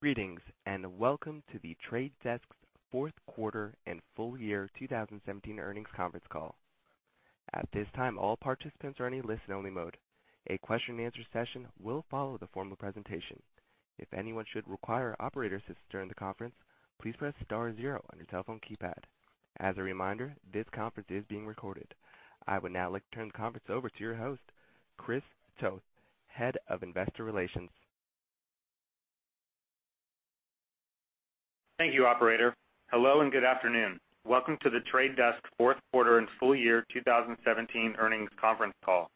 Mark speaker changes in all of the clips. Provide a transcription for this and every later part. Speaker 1: Greetings. Welcome to The Trade Desk's fourth quarter and full year 2017 earnings conference call. At this time, all participants are in a listen-only mode. A question and answer session will follow the formal presentation. If anyone should require operator assistance during the conference, please press star 0 on your telephone keypad. As a reminder, this conference is being recorded. I would now like to turn the conference over to your host, Chris Toth, Head of Investor Relations.
Speaker 2: Thank you, operator. Hello. Good afternoon. Welcome to The Trade Desk fourth quarter and full year 2017 earnings conference call.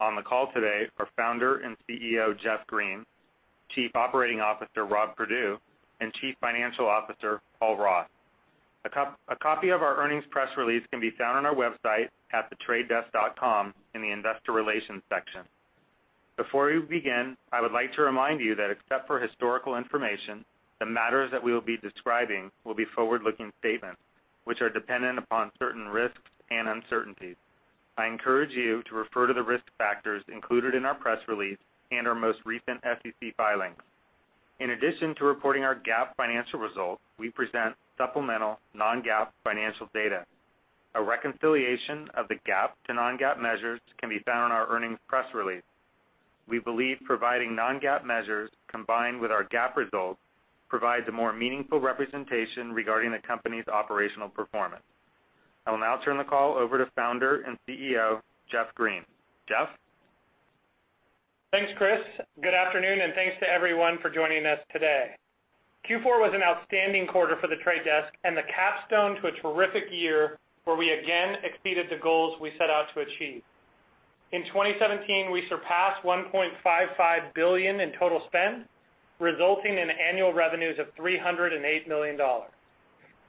Speaker 2: On the call today are Founder and CEO, Jeff Green, Chief Operating Officer, Rob Perdue, and Chief Financial Officer, Paul Ross. A copy of our earnings press release can be found on our website at thetradedesk.com in the investor relations section. Before we begin, I would like to remind you that except for historical information, the matters that we will be describing will be forward-looking statements, which are dependent upon certain risks and uncertainties. I encourage you to refer to the risk factors included in our press release and our most recent SEC filings. In addition to reporting our GAAP financial results, we present supplemental non-GAAP financial data. A reconciliation of the GAAP to non-GAAP measures can be found on our earnings press release. We believe providing non-GAAP measures combined with our GAAP results provides a more meaningful representation regarding the company's operational performance. I will now turn the call over to Founder and CEO, Jeff Green. Jeff?
Speaker 3: Thanks, Chris. Good afternoon. Thanks to everyone for joining us today. Q4 was an outstanding quarter for The Trade Desk and the capstone to a terrific year, where we again exceeded the goals we set out to achieve. In 2017, we surpassed $1.55 billion in total spend, resulting in annual revenues of $308 million,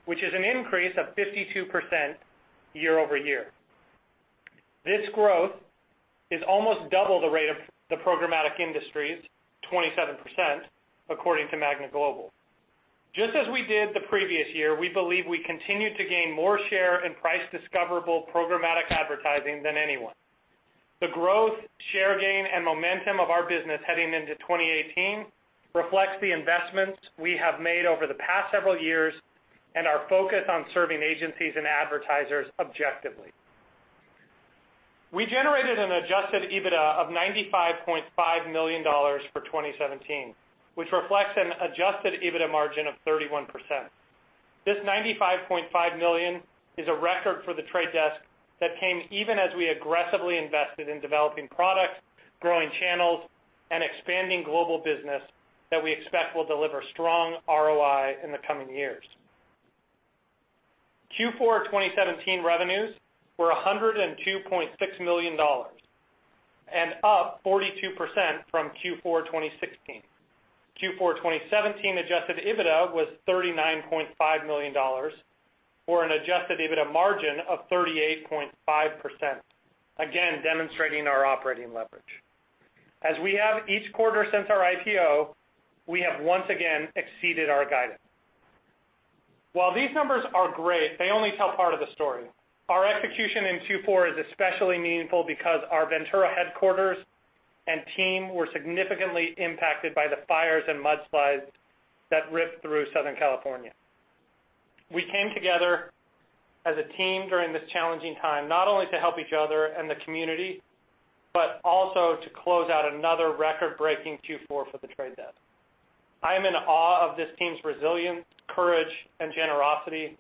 Speaker 3: which is an increase of 52% year-over-year. This growth is almost double the rate of the programmatic industry's 27%, according to MAGNA Global. Just as we did the previous year, we believe we continued to gain more share in price discoverable programmatic advertising than anyone. The growth, share gain, and momentum of our business heading into 2018 reflects the investments we have made over the past several years and our focus on serving agencies and advertisers objectively. We generated an adjusted EBITDA of $95.5 million for 2017, which reflects an adjusted EBITDA margin of 31%. This $95.5 million is a record for The Trade Desk that came even as we aggressively invested in developing products, growing channels, and expanding global business that we expect will deliver strong ROI in the coming years. Q4 2017 revenues were $102.6 million and up 42% from Q4 2016. Q4 2017 adjusted EBITDA was $39.5 million, or an adjusted EBITDA margin of 38.5%, again, demonstrating our operating leverage. As we have each quarter since our IPO, we have once again exceeded our guidance. While these numbers are great, they only tell part of the story. Our execution in Q4 is especially meaningful because our Ventura headquarters and team were significantly impacted by the fires and mudslides that ripped through Southern California. We came together as a team during this challenging time, not only to help each other and the community, but also to close out another record-breaking Q4 for The Trade Desk. I am in awe of this team's resilience, courage, and generosity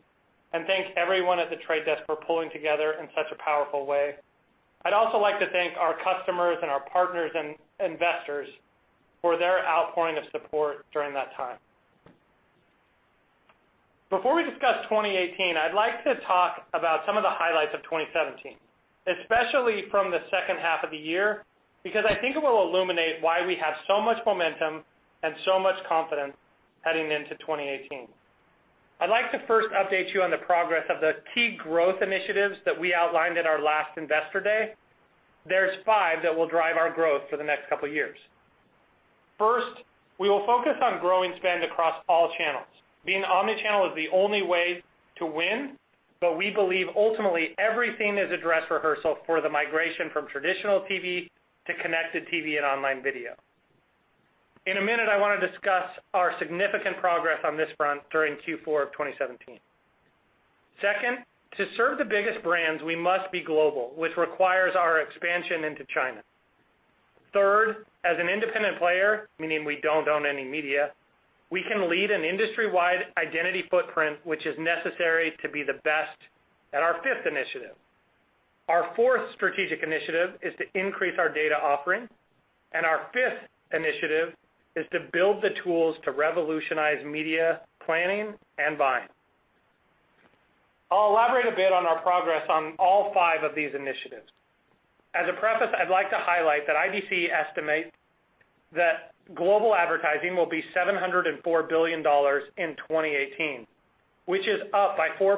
Speaker 3: and thank everyone at The Trade Desk for pulling together in such a powerful way. I'd also like to thank our customers and our partners and investors for their outpouring of support during that time. Before we discuss 2018, I'd like to talk about some of the highlights of 2017, especially from the second half of the year, because I think it will illuminate why we have so much momentum and so much confidence heading into 2018. I'd like to first update you on the progress of the key growth initiatives that we outlined at our last Investor Day. There's five that will drive our growth for the next couple of years. First, we will focus on growing spend across all channels. Being omnichannel is the only way to win, but we believe ultimately everything is a dress rehearsal for the migration from traditional TV to connected TV and online video. In a minute, I want to discuss our significant progress on this front during Q4 of 2017. Second, to serve the biggest brands, we must be global, which requires our expansion into China. Third, as an independent player, meaning we don't own any media, we can lead an industry-wide identity footprint, which is necessary to be the best at our fifth initiative. Our fourth strategic initiative is to increase our data offering. Our fifth initiative is to build the tools to revolutionize media planning and buying. I'll elaborate a bit on our progress on all five of these initiatives. As a preface, I'd like to highlight that IDC estimates that global advertising will be $704 billion in 2018, which is up by 4%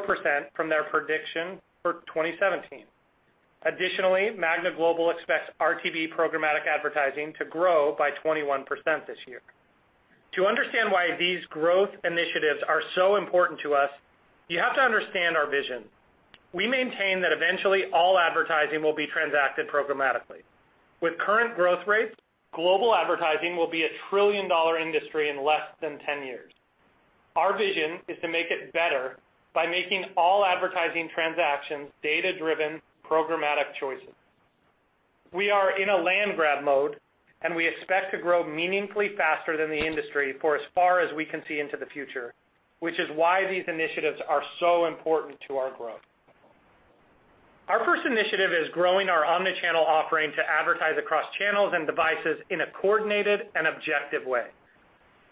Speaker 3: from their prediction for 2017. Additionally, MAGNA Global expects RTB programmatic advertising to grow by 21% this year. To understand why these growth initiatives are so important to us, you have to understand our vision. We maintain that eventually all advertising will be transacted programmatically. With current growth rates, global advertising will be a trillion-dollar industry in less than 10 years. Our vision is to make it better by making all advertising transactions data-driven, programmatic choices. We are in a land grab mode. We expect to grow meaningfully faster than the industry for as far as we can see into the future, which is why these initiatives are so important to our growth. Our first initiative is growing our omni-channel offering to advertise across channels and devices in a coordinated and objective way.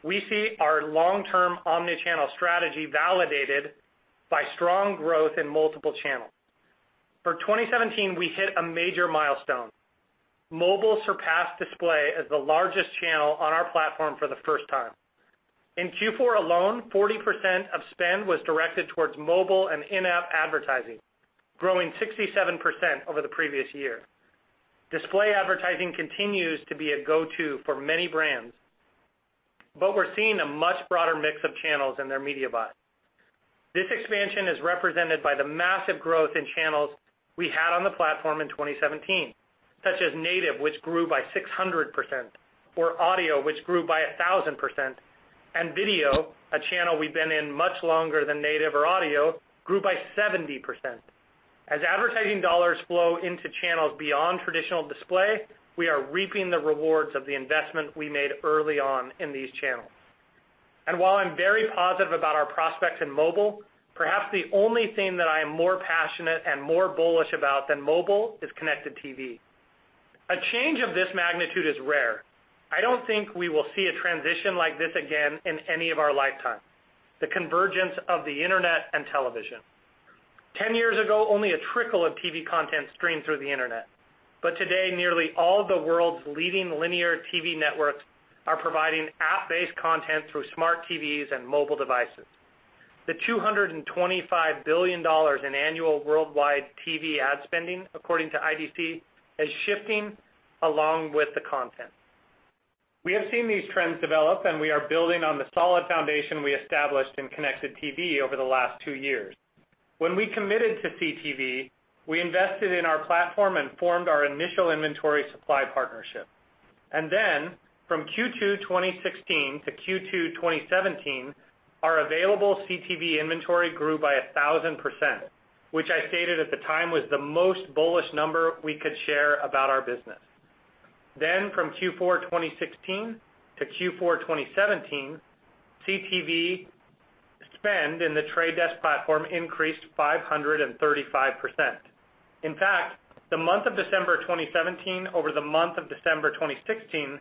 Speaker 3: We see our long-term omni-channel strategy validated by strong growth in multiple channels. For 2017, we hit a major milestone. Mobile surpassed display as the largest channel on our platform for the first time. In Q4 alone, 40% of spend was directed towards mobile and in-app advertising, growing 67% over the previous year. Display advertising continues to be a go-to for many brands, but we're seeing a much broader mix of channels in their media buy. This expansion is represented by the massive growth in channels we had on the platform in 2017, such as native, which grew by 600%, or audio, which grew by 1,000%, and video, a channel we've been in much longer than native or audio, grew by 70%. As advertising dollars flow into channels beyond traditional display, we are reaping the rewards of the investment we made early on in these channels. While I'm very positive about our prospects in mobile, perhaps the only thing that I am more passionate and more bullish about than mobile is connected TV. A change of this magnitude is rare. I don't think we will see a transition like this again in any of our lifetime, the convergence of the internet and television. 10 years ago, only a trickle of TV content streamed through the internet, but today nearly all the world's leading linear TV networks are providing app-based content through smart TVs and mobile devices. The $225 billion in annual worldwide TV ad spending, according to IDC, is shifting along with the content. We have seen these trends develop. We are building on the solid foundation we established in connected TV over the last two years. When we committed to CTV, we invested in our platform and formed our initial inventory supply partnership. From Q2 2016 to Q2 2017, our available CTV inventory grew by 1,000%, which I stated at the time was the most bullish number we could share about our business. From Q4 2016 to Q4 2017, CTV spend in The Trade Desk platform increased 535%. In fact, the month of December 2017 over the month of December 2016,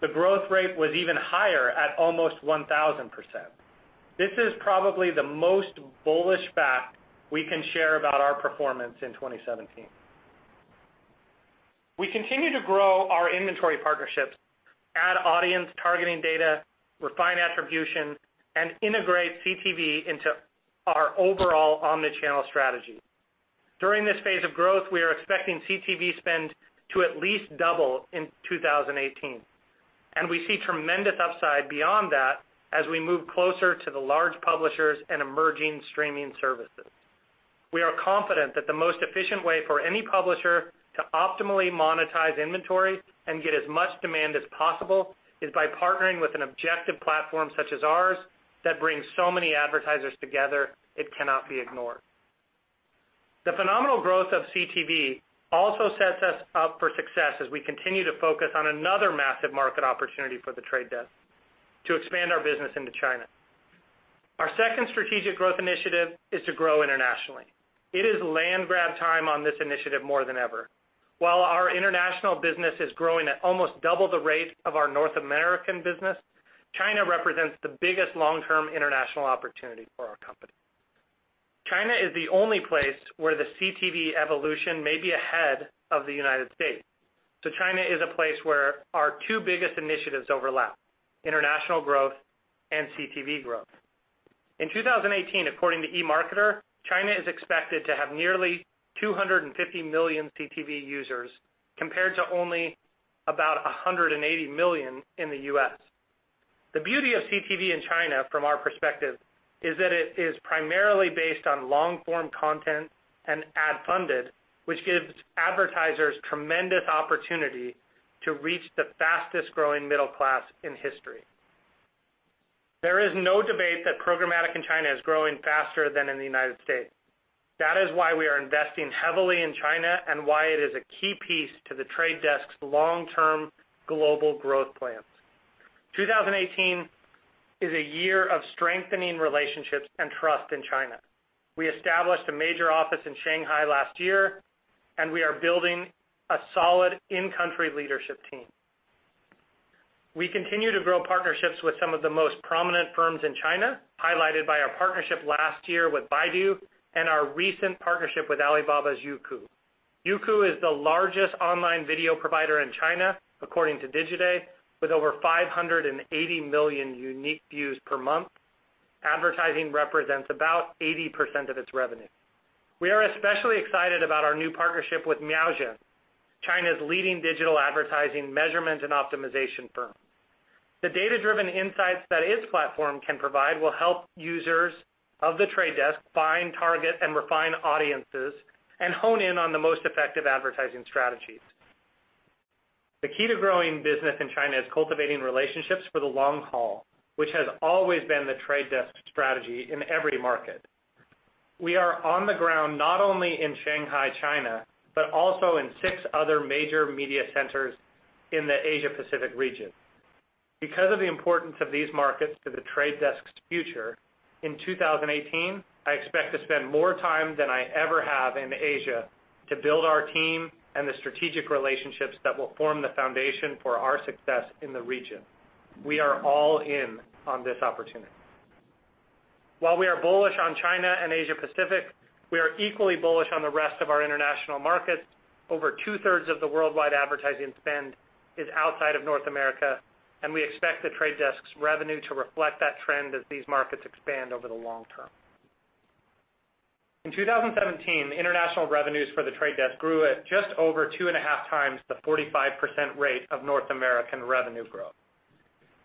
Speaker 3: the growth rate was even higher at almost 1,000%. This is probably the most bullish fact we can share about our performance in 2017. We continue to grow our inventory partnerships, add audience targeting data, refine attribution, and integrate CTV into our overall omni-channel strategy. During this phase of growth, we are expecting CTV spend to at least double in 2018. We see tremendous upside beyond that as we move closer to the large publishers and emerging streaming services. We are confident that the most efficient way for any publisher to optimally monetize inventory and get as much demand as possible is by partnering with an objective platform such as ours that brings so many advertisers together it cannot be ignored. The phenomenal growth of CTV also sets us up for success as we continue to focus on another massive market opportunity for The Trade Desk, to expand our business into China. Our second strategic growth initiative is to grow internationally. It is land grab time on this initiative more than ever. While our international business is growing at almost double the rate of our North American business, China represents the biggest long-term international opportunity for our company. China is the only place where the CTV evolution may be ahead of the U.S. So China is a place where our two biggest initiatives overlap, international growth and CTV growth. In 2018, according to eMarketer, China is expected to have nearly 250 million CTV users, compared to only about 180 million in the U.S. The beauty of CTV in China from our perspective is that it is primarily based on long-form content and ad-funded, which gives advertisers tremendous opportunity to reach the fastest-growing middle class in history. There is no debate that programmatic in China is growing faster than in the U.S. That is why we are investing heavily in China and why it is a key piece to The Trade Desk's long-term global growth plans. 2018 is a year of strengthening relationships and trust in China. We established a major office in Shanghai last year, and we are building a solid in-country leadership team. We continue to grow partnerships with some of the most prominent firms in China, highlighted by our partnership last year with Baidu and our recent partnership with Alibaba's Youku. Youku is the largest online video provider in China, according to Digiday, with over 580 million unique views per month. Advertising represents about 80% of its revenue. We are especially excited about our new partnership with Miaozhen, China's leading digital advertising measurement and optimization firm. The data-driven insights that its platform can provide will help users of The Trade Desk find, target and refine audiences, and hone in on the most effective advertising strategies. The key to growing business in China is cultivating relationships for the long haul, which has always been The Trade Desk strategy in every market. We are on the ground not only in Shanghai, China, but also in six other major media centers in the Asia Pacific region. Because of the importance of these markets to The Trade Desk's future, in 2018, I expect to spend more time than I ever have in Asia to build our team and the strategic relationships that will form the foundation for our success in the region. While we are bullish on China and Asia Pacific, we are equally bullish on the rest of our international markets. Over two-thirds of the worldwide advertising spend is outside of North America, and we expect The Trade Desk's revenue to reflect that trend as these markets expand over the long term. In 2017, the international revenues for The Trade Desk grew at just over two and a half times the 45% rate of North American revenue growth.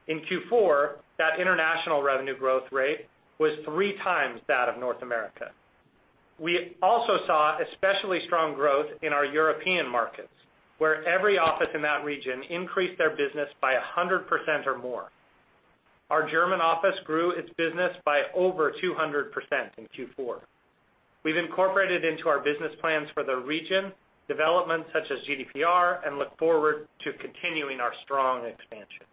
Speaker 3: In Q4, that international revenue growth rate was three times that of North America. We also saw especially strong growth in our European markets, where every office in that region increased their business by 100% or more. Our German office grew its business by over 200% in Q4. We've incorporated into our business plans for the region developments such as GDPR and look forward to continuing our strong expansion.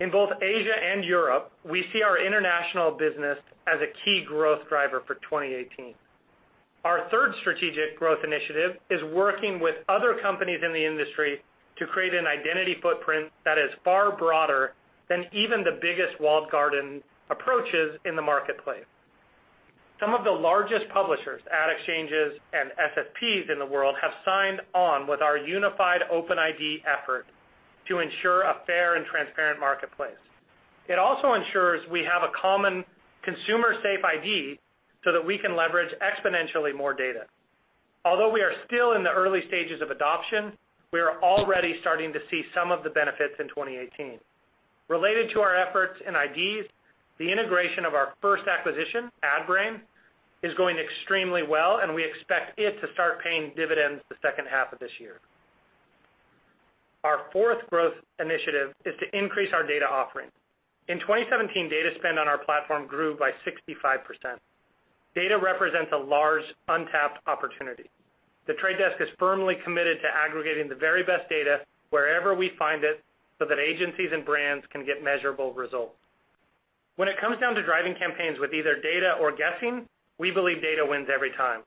Speaker 3: In both Asia and Europe, we see our international business as a key growth driver for 2018. Our third strategic growth initiative is working with other companies in the industry to create an identity footprint that is far broader than even the biggest walled garden approaches in the marketplace. Some of the largest publishers, ad exchanges, and SSPs in the world have signed on with our unified open ID effort to ensure a fair and transparent marketplace. It also ensures we have a common consumer safe ID so that we can leverage exponentially more data. Although we are still in the early stages of adoption, we are already starting to see some of the benefits in 2018. Related to our efforts in IDs, the integration of our first acquisition, Adbrain, is going extremely well, and we expect it to start paying dividends the second half of this year. Our fourth growth initiative is to increase our data offering. In 2017, data spend on our platform grew by 65%. Data represents a large untapped opportunity. The Trade Desk is firmly committed to aggregating the very best data wherever we find it so that agencies and brands can get measurable results. When it comes down to driving campaigns with either data or guessing, we believe data wins every time.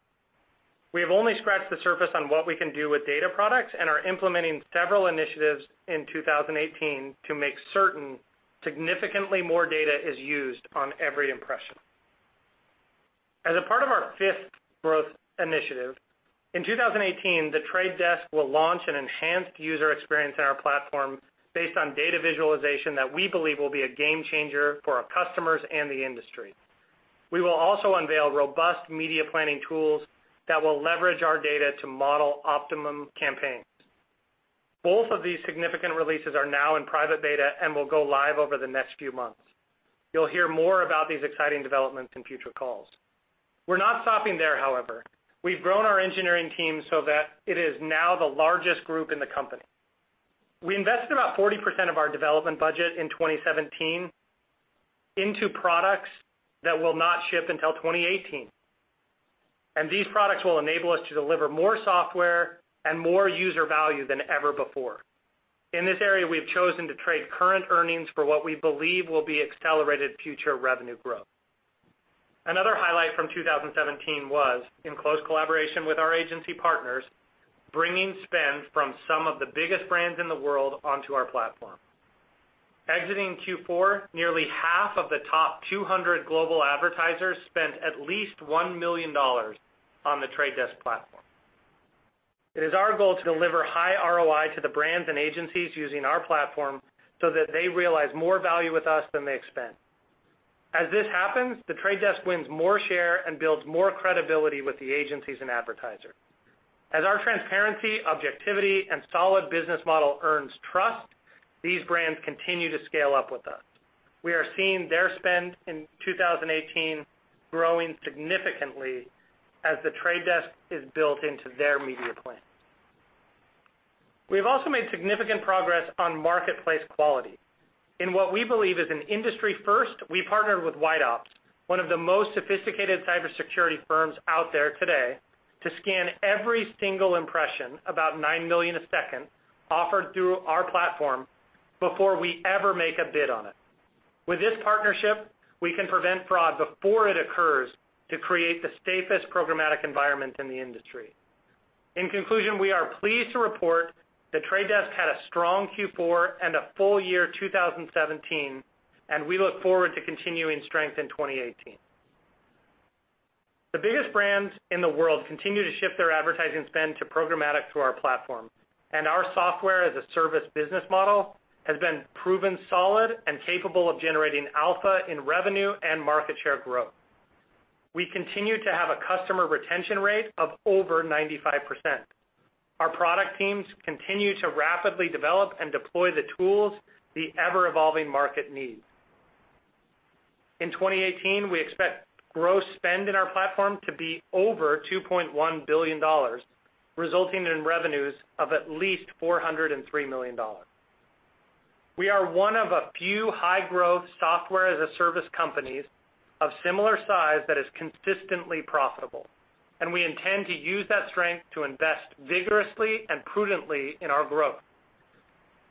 Speaker 3: We have only scratched the surface on what we can do with data products and are implementing several initiatives in 2018 to make certain significantly more data is used on every impression. As a part of our fifth growth initiative, in 2018, The Trade Desk will launch an enhanced user experience in our platform based on data visualization that we believe will be a game changer for our customers and the industry. We will also unveil robust media planning tools that will leverage our data to model optimum campaigns. Both of these significant releases are now in private beta and will go live over the next few months. You'll hear more about these exciting developments in future calls. We're not stopping there, however. We've grown our engineering team so that it is now the largest group in the company. We invested about 40% of our development budget in 2017 into products that will not ship until 2018. These products will enable us to deliver more software and more user value than ever before. In this area, we've chosen to trade current earnings for what we believe will be accelerated future revenue growth. Another highlight from 2017 was, in close collaboration with our agency partners, bringing spend from some of the biggest brands in the world onto our platform. Exiting Q4, nearly half of the top 200 global advertisers spent at least $1 million on The Trade Desk platform. It is our goal to deliver high ROI to the brands and agencies using our platform so that they realize more value with us than they expend. As this happens, The Trade Desk wins more share and builds more credibility with the agencies and advertisers. As our transparency, objectivity, and solid business model earns trust, these brands continue to scale up with us. We are seeing their spend in 2018 growing significantly as The Trade Desk is built into their media plan. We've also made significant progress on marketplace quality. In what we believe is an industry first, we partnered with White Ops, one of the most sophisticated cybersecurity firms out there today, to scan every single impression, about 9 million a second, offered through our platform before we ever make a bid on it. With this partnership, we can prevent fraud before it occurs to create the safest programmatic environment in the industry. In conclusion, we are pleased to report The Trade Desk had a strong Q4 and a full year 2017, and we look forward to continuing strength in 2018. The biggest brands in the world continue to shift their advertising spend to programmatic through our platform. Our software-as-a-service business model has been proven solid and capable of generating alpha in revenue and market share growth. We continue to have a customer retention rate of over 95%. Our product teams continue to rapidly develop and deploy the tools the ever-evolving market needs. In 2018, we expect gross spend in our platform to be over $2.1 billion, resulting in revenues of at least $403 million. We are one of a few high-growth software-as-a-service companies of similar size that is consistently profitable, and we intend to use that strength to invest vigorously and prudently in our growth.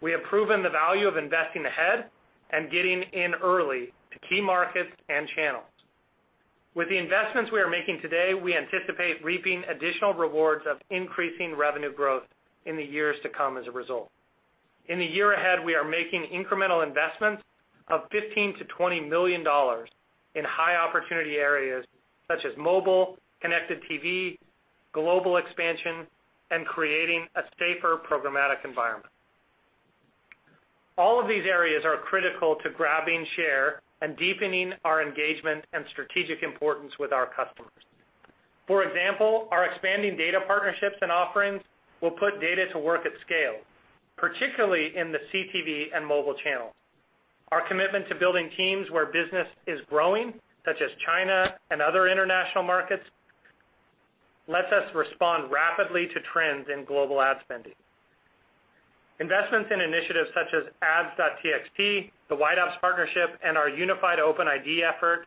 Speaker 3: We have proven the value of investing ahead and getting in early to key markets and channels. With the investments we are making today, we anticipate reaping additional rewards of increasing revenue growth in the years to come as a result. In the year ahead, we are making incremental investments of $15 million-$20 million in high-opportunity areas such as mobile, connected TV, global expansion, and creating a safer programmatic environment. All of these areas are critical to grabbing share and deepening our engagement and strategic importance with our customers. For example, our expanding data partnerships and offerings will put data to work at scale, particularly in the CTV and mobile channel. Our commitment to building teams where business is growing, such as China and other international markets, lets us respond rapidly to trends in global ad spending. Investments in initiatives such as ads.txt, the White Ops partnership, and our Unified ID effort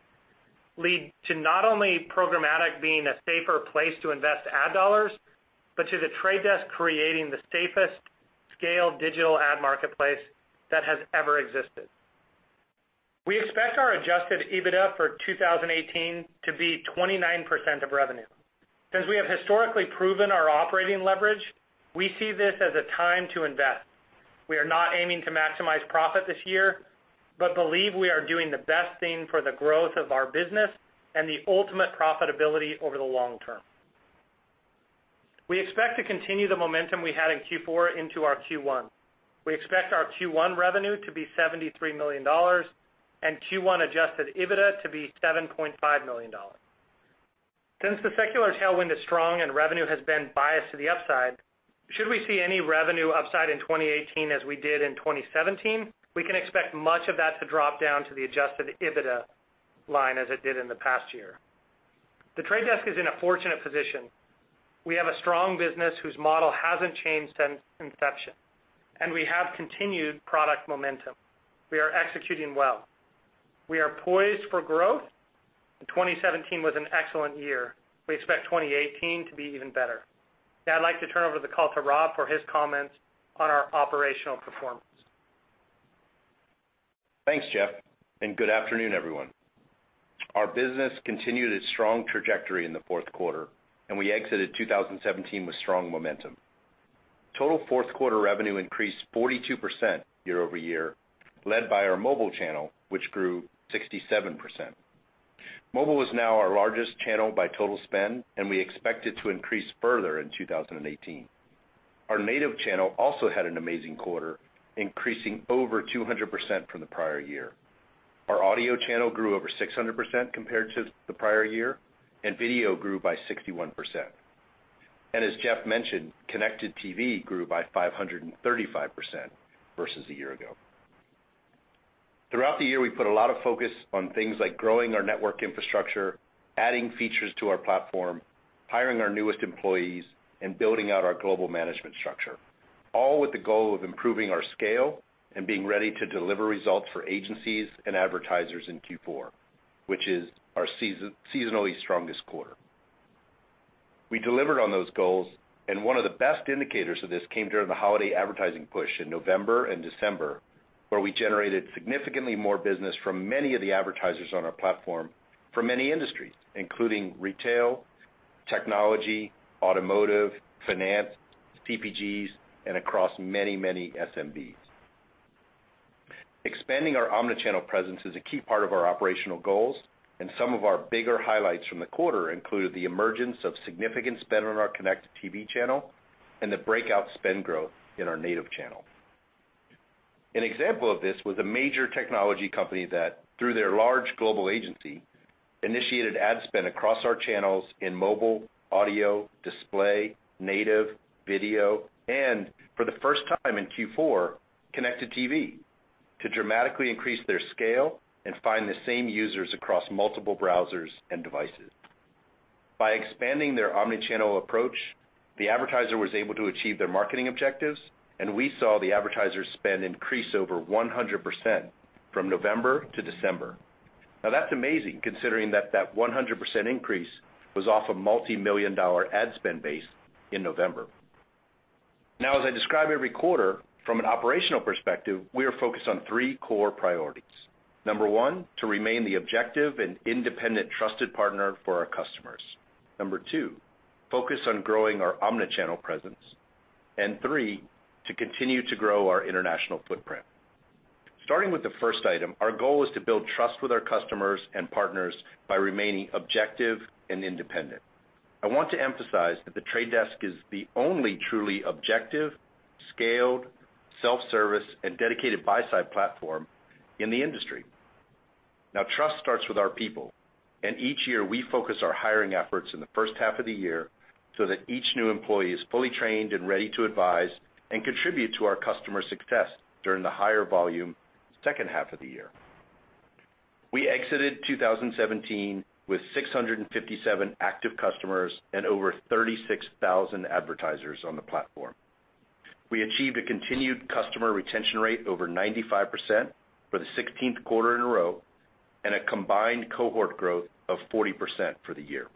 Speaker 3: lead to not only programmatic being a safer place to invest ad dollars, but to The Trade Desk creating the safest scale digital ad marketplace that has ever existed. We expect our adjusted EBITDA for 2018 to be 29% of revenue. Since we have historically proven our operating leverage, we see this as a time to invest. We are not aiming to maximize profit this year. We believe we are doing the best thing for the growth of our business and the ultimate profitability over the long term. We expect to continue the momentum we had in Q4 into our Q1. We expect our Q1 revenue to be $73 million, and Q1 adjusted EBITDA to be $7.5 million. Since the secular tailwind is strong and revenue has been biased to the upside, should we see any revenue upside in 2018 as we did in 2017, we can expect much of that to drop down to the adjusted EBITDA line as it did in the past year. The Trade Desk is in a fortunate position. We have a strong business whose model hasn't changed since inception, and we have continued product momentum. We are executing well. We are poised for growth, and 2017 was an excellent year. We expect 2018 to be even better. I'd like to turn over the call to Rob for his comments on our operational performance.
Speaker 4: Thanks, Jeff, good afternoon, everyone. Our business continued its strong trajectory in the fourth quarter, and we exited 2017 with strong momentum. Total fourth quarter revenue increased 42% year-over-year, led by our mobile channel, which grew 67%. Mobile is now our largest channel by total spend, and we expect it to increase further in 2018. Our native channel also had an amazing quarter, increasing over 200% from the prior year. Our audio channel grew over 600% compared to the prior year, and video grew by 61%. As Jeff mentioned, connected TV grew by 535% versus a year ago. Throughout the year, we put a lot of focus on things like growing our network infrastructure, adding features to our platform, hiring our newest employees, and building out our global management structure, all with the goal of improving our scale and being ready to deliver results for agencies and advertisers in Q4, which is our seasonally strongest quarter. We delivered on those goals, one of the best indicators of this came during the holiday advertising push in November and December, where we generated significantly more business from many of the advertisers on our platform for many industries, including retail, technology, automotive, finance, CPGs, and across many SMBs. Expanding our omni-channel presence is a key part of our operational goals, some of our bigger highlights from the quarter include the emergence of significant spend on our connected TV channel and the breakout spend growth in our native channel. An example of this was a major technology company that, through their large global agency, initiated ad spend across our channels in mobile, audio, display, native, video, and for the first time in Q4, connected TV, to dramatically increase their scale and find the same users across multiple browsers and devices. By expanding their omni-channel approach, the advertiser was able to achieve their marketing objectives, and we saw the advertiser spend increase over 100% from November to December. That's amazing considering that that 100% increase was off a multimillion-dollar ad spend base in November. As I describe every quarter, from an operational perspective, we are focused on three core priorities. Number one, to remain the objective and independent trusted partner for our customers. Number two, focus on growing our omni-channel presence. three, to continue to grow our international footprint. Starting with the first item, our goal is to build trust with our customers and partners by remaining objective and independent. I want to emphasize that The Trade Desk is the only truly objective, scaled, self-service, and dedicated buy-side platform in the industry. Trust starts with our people, and each year we focus our hiring efforts in the first half of the year so that each new employee is fully trained and ready to advise and contribute to our customer success during the higher volume second half of the year. We exited 2017 with 657 active customers and over 36,000 advertisers on the platform. We achieved a continued customer retention rate over 95% for the 16th quarter in a row, and a combined cohort growth of 40% for the year.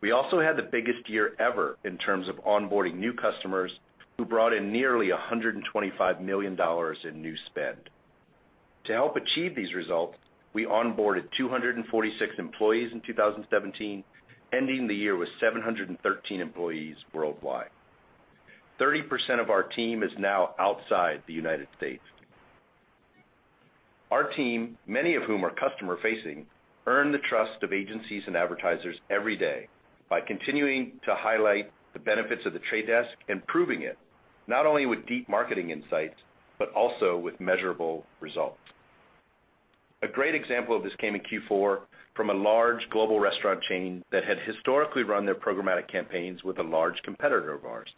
Speaker 4: We also had the biggest year ever in terms of onboarding new customers who brought in nearly $125 million in new spend. To help achieve these results, we onboarded 246 employees in 2017, ending the year with 713 employees worldwide. 30% of our team is now outside the United States. Our team, many of whom are customer facing, earn the trust of agencies and advertisers every day by continuing to highlight the benefits of The Trade Desk and proving it, not only with deep marketing insights, but also with measurable results. A great example of this came in Q4 from a large global restaurant chain that had historically run their programmatic campaigns with a large competitor of ours.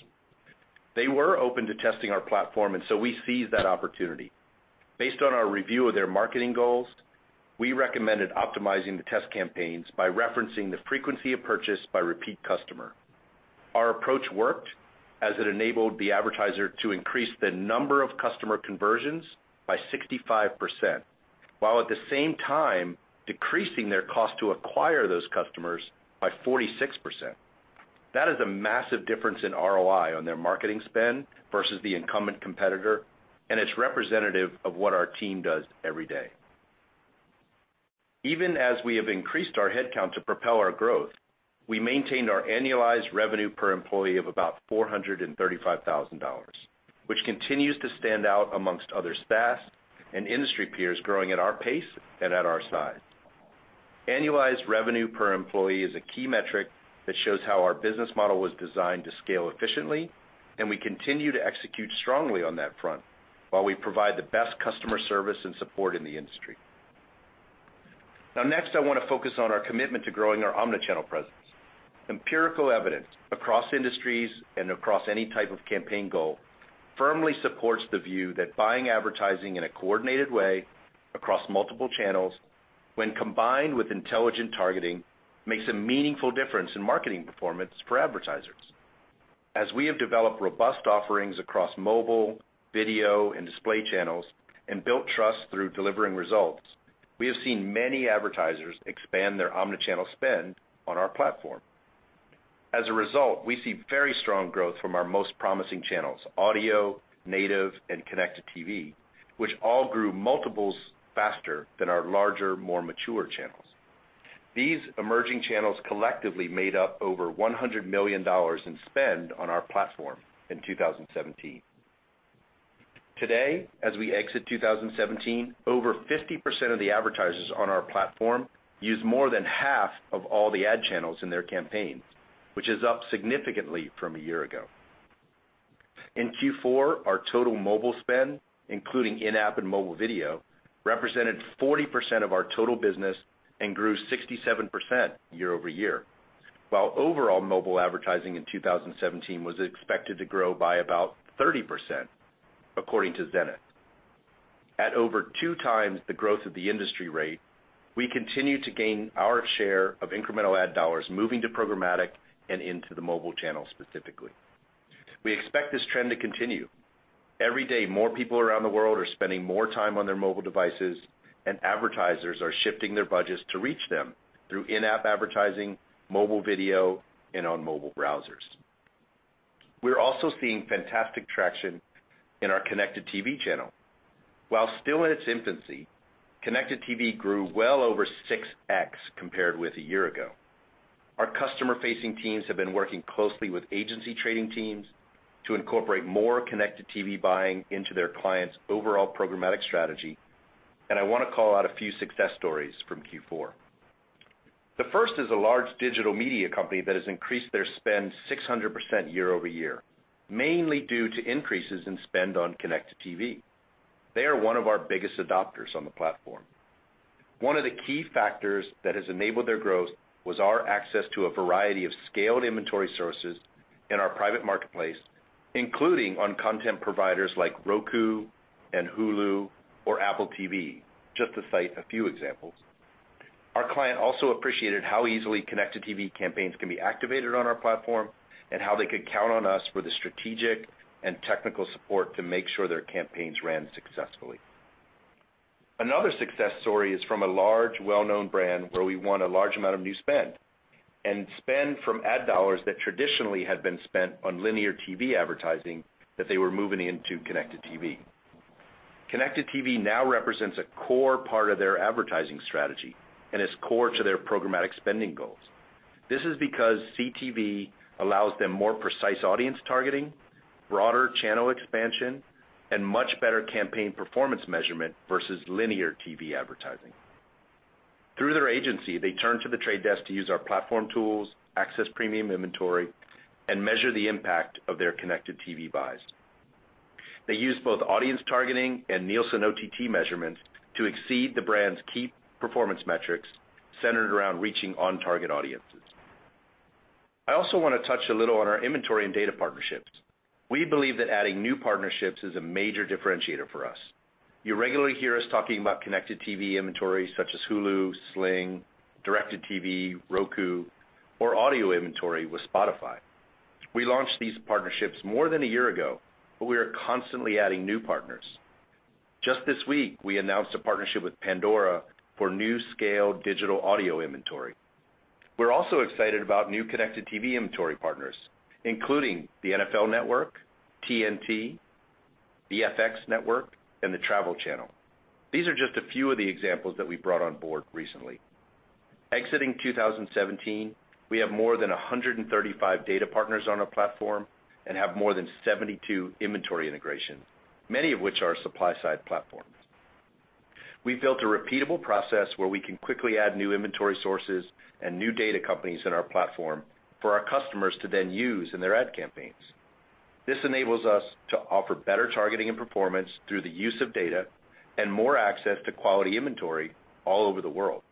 Speaker 4: They were open to testing our platform, we seized that opportunity. Based on our review of their marketing goals, we recommended optimizing the test campaigns by referencing the frequency of purchase by repeat customer. Our approach worked as it enabled the advertiser to increase the number of customer conversions by 65%, while at the same time decreasing their cost to acquire those customers by 46%. That is a massive difference in ROI on their marketing spend versus the incumbent competitor, it's representative of what our team does every day. Even as we have increased our headcount to propel our growth, we maintained our annualized revenue per employee of about $435,000, which continues to stand out amongst other SaaS and industry peers growing at our pace and at our size. Annualized revenue per employee is a key metric that shows how our business model was designed to scale efficiently, we continue to execute strongly on that front while we provide the best customer service and support in the industry. Next, I want to focus on our commitment to growing our omnichannel presence. Empirical evidence across industries and across any type of campaign goal firmly supports the view that buying advertising in a coordinated way across multiple channels, when combined with intelligent targeting, makes a meaningful difference in marketing performance for advertisers. As we have developed robust offerings across mobile, video, and display channels and built trust through delivering results, we have seen many advertisers expand their omnichannel spend on our platform. As a result, we see very strong growth from our most promising channels, audio, native, and connected TV, which all grew multiples faster than our larger, more mature channels. These emerging channels collectively made up over $100 million in spend on our platform in 2017. Today, as we exit 2017, over 50% of the advertisers on our platform use more than half of all the ad channels in their campaigns, which is up significantly from a year ago. In Q4, our total mobile spend, including in-app and mobile video, represented 40% of our total business and grew 67% year over year. While overall mobile advertising in 2017 was expected to grow by about 30%, according to Zenith. At over two times the growth of the industry rate, we continue to gain our share of incremental ad dollars moving to programmatic and into the mobile channel specifically. We expect this trend to continue. Every day, more people around the world are spending more time on their mobile devices, and advertisers are shifting their budgets to reach them through in-app advertising, mobile video, and on mobile browsers. We are also seeing fantastic traction in our connected TV channel. While still in its infancy, connected TV grew well over 6X compared with a year ago. Our customer-facing teams have been working closely with agency trading teams to incorporate more connected TV buying into their clients' overall programmatic strategy, and I want to call out a few success stories from Q4. The first is a large digital media company that has increased their spend 600% year over year, mainly due to increases in spend on connected TV. They are one of our biggest adopters on the platform. One of the key factors that has enabled their growth was our access to a variety of scaled inventory sources in our private marketplace, including on content providers like Roku and Hulu or Apple TV, just to cite a few examples. Our client also appreciated how easily connected TV campaigns can be activated on our platform, and how they could count on us for the strategic and technical support to make sure their campaigns ran successfully. Another success story is from a large, well-known brand where we won a large amount of new spend, and spend from ad dollars that traditionally had been spent on linear TV advertising that they were moving into connected TV. Connected TV now represents a core part of their advertising strategy and is core to their programmatic spending goals. This is because CTV allows them more precise audience targeting, broader channel expansion, and much better campaign performance measurement versus linear TV advertising. Through their agency, they turn to The Trade Desk to use our platform tools, access premium inventory, and measure the impact of their connected TV buys. They use both audience targeting and Nielsen OTT measurements to exceed the brand's key performance metrics centered around reaching on-target audiences. I also want to touch a little on our inventory and data partnerships. We believe that adding new partnerships is a major differentiator for us. You regularly hear us talking about connected TV inventories such as Hulu, Sling, DIRECTV, Roku, or audio inventory with Spotify. We launched these partnerships more than a year ago, but we are constantly adding new partners. Just this week, we announced a partnership with Pandora for new scale digital audio inventory. We're also excited about new connected TV inventory partners, including the NFL Network, TNT, the FX Network, and the Travel Channel. These are just a few of the examples that we've brought on board recently. Exiting 2017, we have more than 135 data partners on our platform and have more than 72 inventory integrations, many of which are supply-side platforms. We've built a repeatable process where we can quickly add new inventory sources and new data companies in our platform for our customers to then use in their ad campaigns. This enables us to offer better targeting and performance through the use of data and more access to quality inventory all over the world.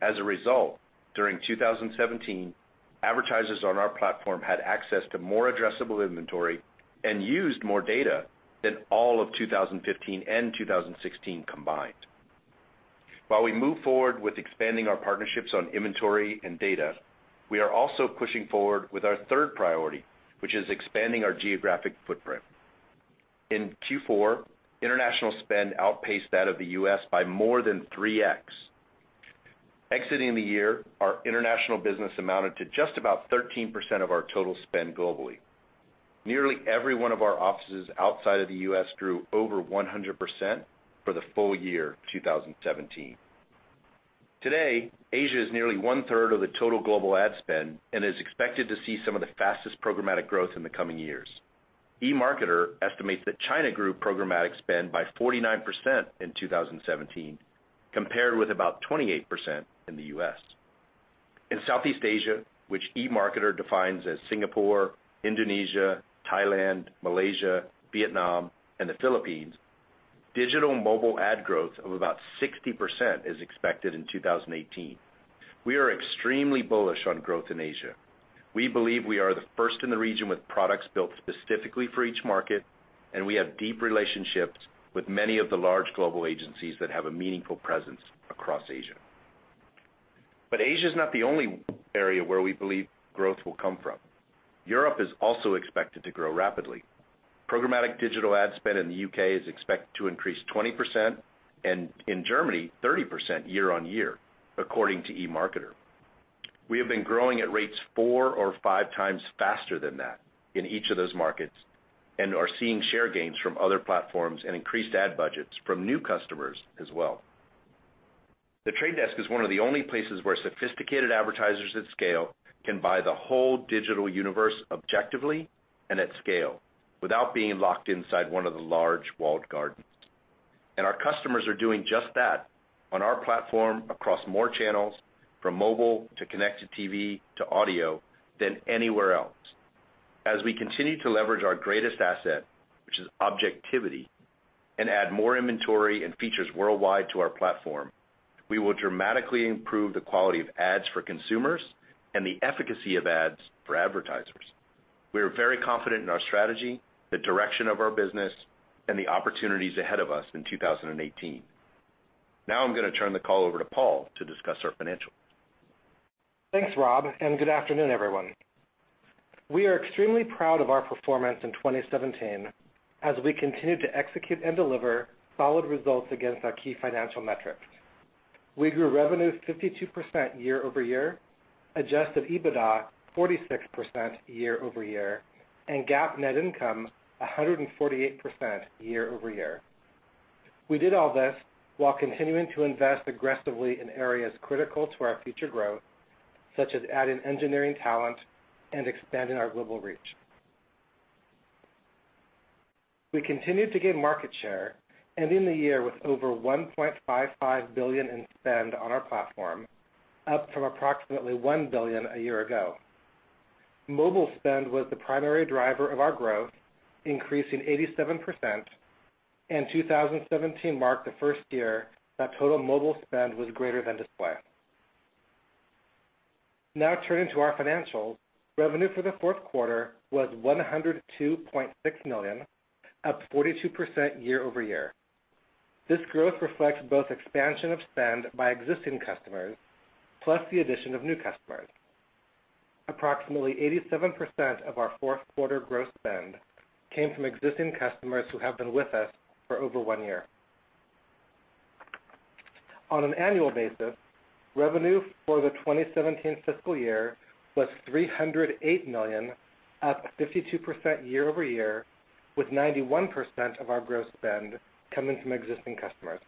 Speaker 4: As a result, during 2017, advertisers on our platform had access to more addressable inventory and used more data than all of 2015 and 2016 combined. While we move forward with expanding our partnerships on inventory and data, we are also pushing forward with our third priority, which is expanding our geographic footprint. In Q4, international spend outpaced that of the U.S. by more than 3X. Exiting the year, our international business amounted to just about 13% of our total spend globally. Nearly every one of our offices outside of the U.S. grew over 100% for the full year 2017. Today, Asia is nearly one-third of the total global ad spend and is expected to see some of the fastest programmatic growth in the coming years. eMarketer estimates that China grew programmatic spend by 49% in 2017, compared with about 28% in the U.S. In Southeast Asia, which eMarketer defines as Singapore, Indonesia, Thailand, Malaysia, Vietnam, and the Philippines, digital mobile ad growth of about 60% is expected in 2018. We are extremely bullish on growth in Asia. We believe we are the first in the region with products built specifically for each market, and we have deep relationships with many of the large global agencies that have a meaningful presence across Asia. Asia is not the only area where we believe growth will come from. Europe is also expected to grow rapidly. Programmatic digital ad spend in the U.K. is expected to increase 20%, and in Germany, 30% year-over-year, according to eMarketer. We have been growing at rates four or five times faster than that in each of those markets and are seeing share gains from other platforms and increased ad budgets from new customers as well. The Trade Desk is one of the only places where sophisticated advertisers at scale can buy the whole digital universe objectively and at scale without being locked inside one of the large walled gardens. Our customers are doing just that on our platform across more channels, from mobile to connected TV to audio, than anywhere else. As we continue to leverage our greatest asset, which is objectivity, and add more inventory and features worldwide to our platform, we will dramatically improve the quality of ads for consumers and the efficacy of ads for advertisers. We are very confident in our strategy, the direction of our business, and the opportunities ahead of us in 2018. Now I'm going to turn the call over to Paul to discuss our financials.
Speaker 5: Thanks, Rob, and good afternoon, everyone. We are extremely proud of our performance in 2017 as we continued to execute and deliver solid results against our key financial metrics. We grew revenue 52% year-over-year, adjusted EBITDA 46% year-over-year, and GAAP net income 148% year-over-year. We did all this while continuing to invest aggressively in areas critical to our future growth, such as adding engineering talent and expanding our global reach. We continued to gain market share and end the year with over $1.55 billion in spend on our platform, up from approximately $1 billion a year ago. Mobile spend was the primary driver of our growth, increasing 87%, and 2017 marked the first year that total mobile spend was greater than display. Turning to our financials, revenue for the fourth quarter was $102.6 million, up 42% year-over-year. This growth reflects both expansion of spend by existing customers, plus the addition of new customers. Approximately 87% of our fourth quarter growth spend came from existing customers who have been with us for over one year. On an annual basis, revenue for the 2017 fiscal year was $308 million, up 52% year-over-year, with 91% of our gross spend coming from existing customers.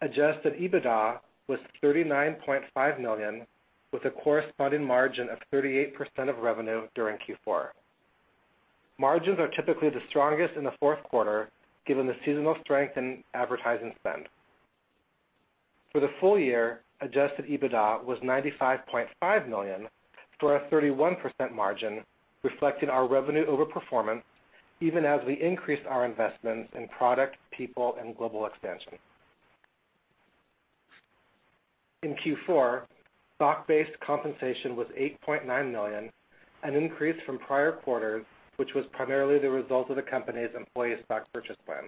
Speaker 5: Adjusted EBITDA was $39.5 million, with a corresponding margin of 38% of revenue during Q4. Margins are typically the strongest in the fourth quarter, given the seasonal strength in advertising spend. For the full year, adjusted EBITDA was $95.5 million for a 31% margin, reflecting our revenue over performance even as we increased our investments in product, people, and global expansion. In Q4, stock-based compensation was $8.9 million, an increase from prior quarters, which was primarily the result of the company's employee stock purchase plan.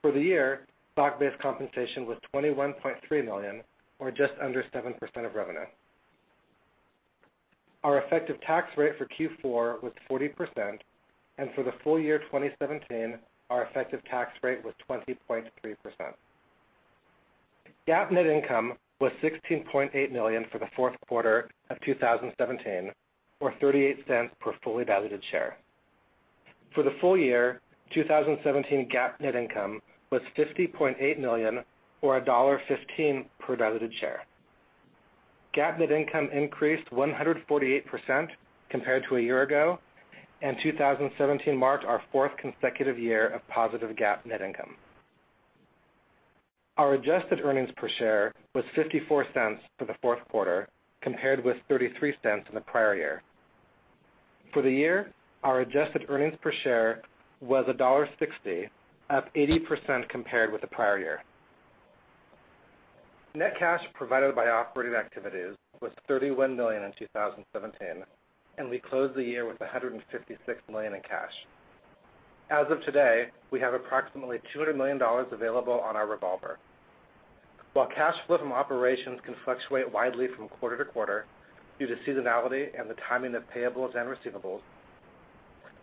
Speaker 5: For the year, stock-based compensation was $21.3 million, or just under 7% of revenue. Our effective tax rate for Q4 was 40%, and for the full year 2017, our effective tax rate was 20.3%. GAAP net income was $16.8 million for the fourth quarter of 2017, or $0.38 per fully diluted share. For the full year, 2017 GAAP net income was $50.8 million or $1.15 per diluted share. GAAP net income increased 148% compared to a year ago, and 2017 marked our fourth consecutive year of positive GAAP net income. Our adjusted earnings per share was $0.54 for the fourth quarter, compared with $0.33 in the prior year. For the year, our adjusted earnings per share was $1.60, up 80% compared with the prior year. Net cash provided by operating activities was $31 million in 2017, and we closed the year with $156 million in cash. As of today, we have approximately $200 million available on our revolver. While cash flow from operations can fluctuate widely from quarter to quarter due to seasonality and the timing of payables and receivables,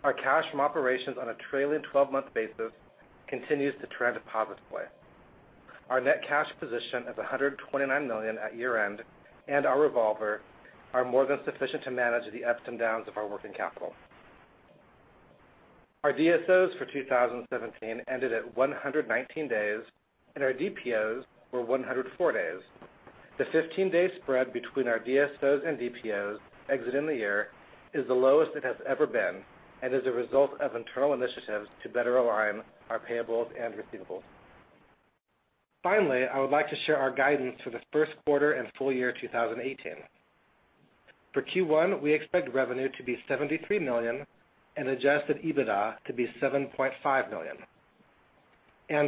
Speaker 5: our cash from operations on a trailing 12-month basis continues to trend positively. Our net cash position of $129 million at year-end and our revolver are more than sufficient to manage the ups and downs of our working capital. Our DSOs for 2017 ended at 119 days, and our DPOs were 104 days. The 15-day spread between our DSOs and DPOs exiting the year is the lowest it has ever been and is a result of internal initiatives to better align our payables and receivables. Finally, I would like to share our guidance for the first quarter and full year 2018. For Q1, we expect revenue to be $73 million and adjusted EBITDA to be $7.5 million.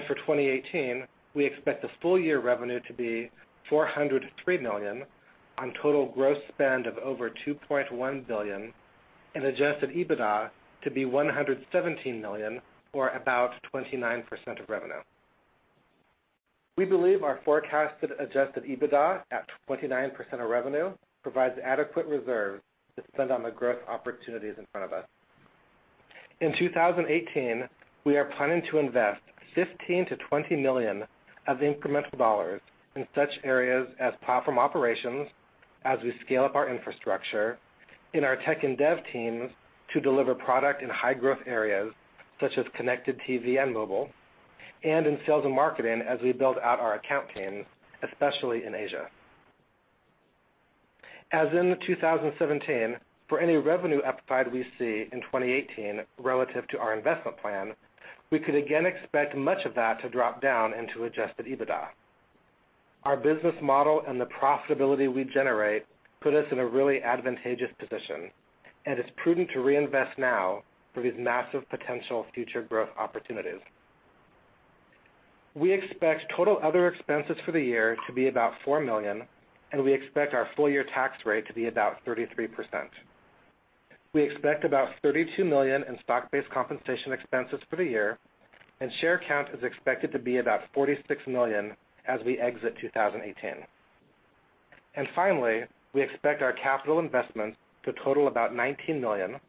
Speaker 5: For 2018, we expect the full-year revenue to be $403 million on total gross spend of over $2.1 billion and adjusted EBITDA to be $117 million or about 29% of revenue. We believe our forecasted adjusted EBITDA at 29% of revenue provides adequate reserves to spend on the growth opportunities in front of us. In 2018, we are planning to invest $15 million-$20 million of incremental dollars in such areas as platform operations as we scale up our infrastructure in our tech and dev teams to deliver product in high-growth areas such as connected TV and mobile, and in sales and marketing as we build out our account teams, especially in Asia. As in 2017, for any revenue upside we see in 2018 relative to our investment plan, we could again expect much of that to drop down into adjusted EBITDA. Our business model and the profitability we generate put us in a really advantageous position, and it's prudent to reinvest now for these massive potential future growth opportunities. We expect total other expenses for the year to be about $4 million, and we expect our full-year tax rate to be about 33%. We expect about $32 million in stock-based compensation expenses for the year, and share count is expected to be about 46 million as we exit 2018. Finally, we expect our capital investments to total about $19 million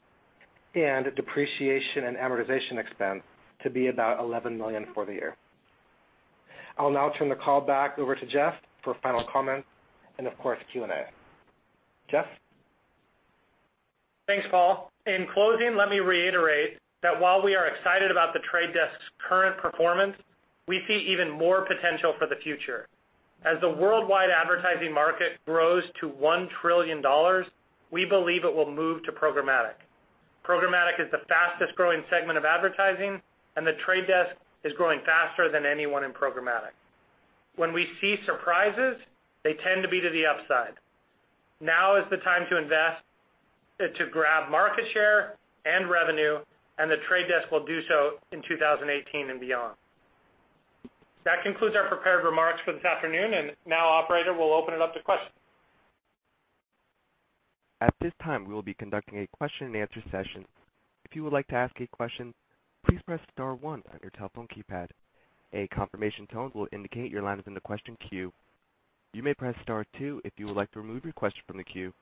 Speaker 5: and depreciation and amortization expense to be about $11 million for the year. I will now turn the call back over to Jeff for final comments and of course, Q&A. Jeff?
Speaker 3: Thanks, Paul. In closing, let me reiterate that while we are excited about The Trade Desk's current performance, we see even more potential for the future. As the worldwide advertising market grows to $1 trillion, we believe it will move to programmatic. Programmatic is the fastest-growing segment of advertising, and The Trade Desk is growing faster than anyone in programmatic. When we see surprises, they tend to be to the upside. Now is the time to invest to grab market share and revenue, and The Trade Desk will do so in 2018 and beyond. That concludes our prepared remarks for this afternoon, and now, operator, we'll open it up to questions.
Speaker 1: At this time, we will be conducting a question and answer session. If you would like to ask a question, please press star one on your telephone keypad. A confirmation tone will indicate your line is in the question queue. You may press star two if you would like to remove your question from the queue.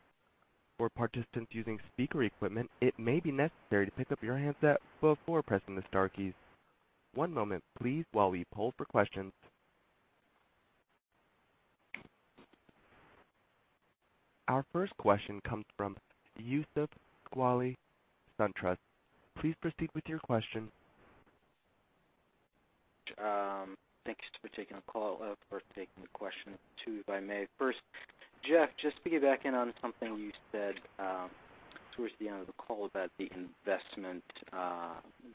Speaker 1: For participants using speaker equipment, it may be necessary to pick up your handset before pressing the star keys. One moment, please, while we poll for questions. Our first question comes from Youssef Squali, SunTrust. Please proceed with your question.
Speaker 6: Thanks for taking the call, or taking the question too, if I may. First, Jeff, just to piggyback in on something you said towards the end of the call about the investment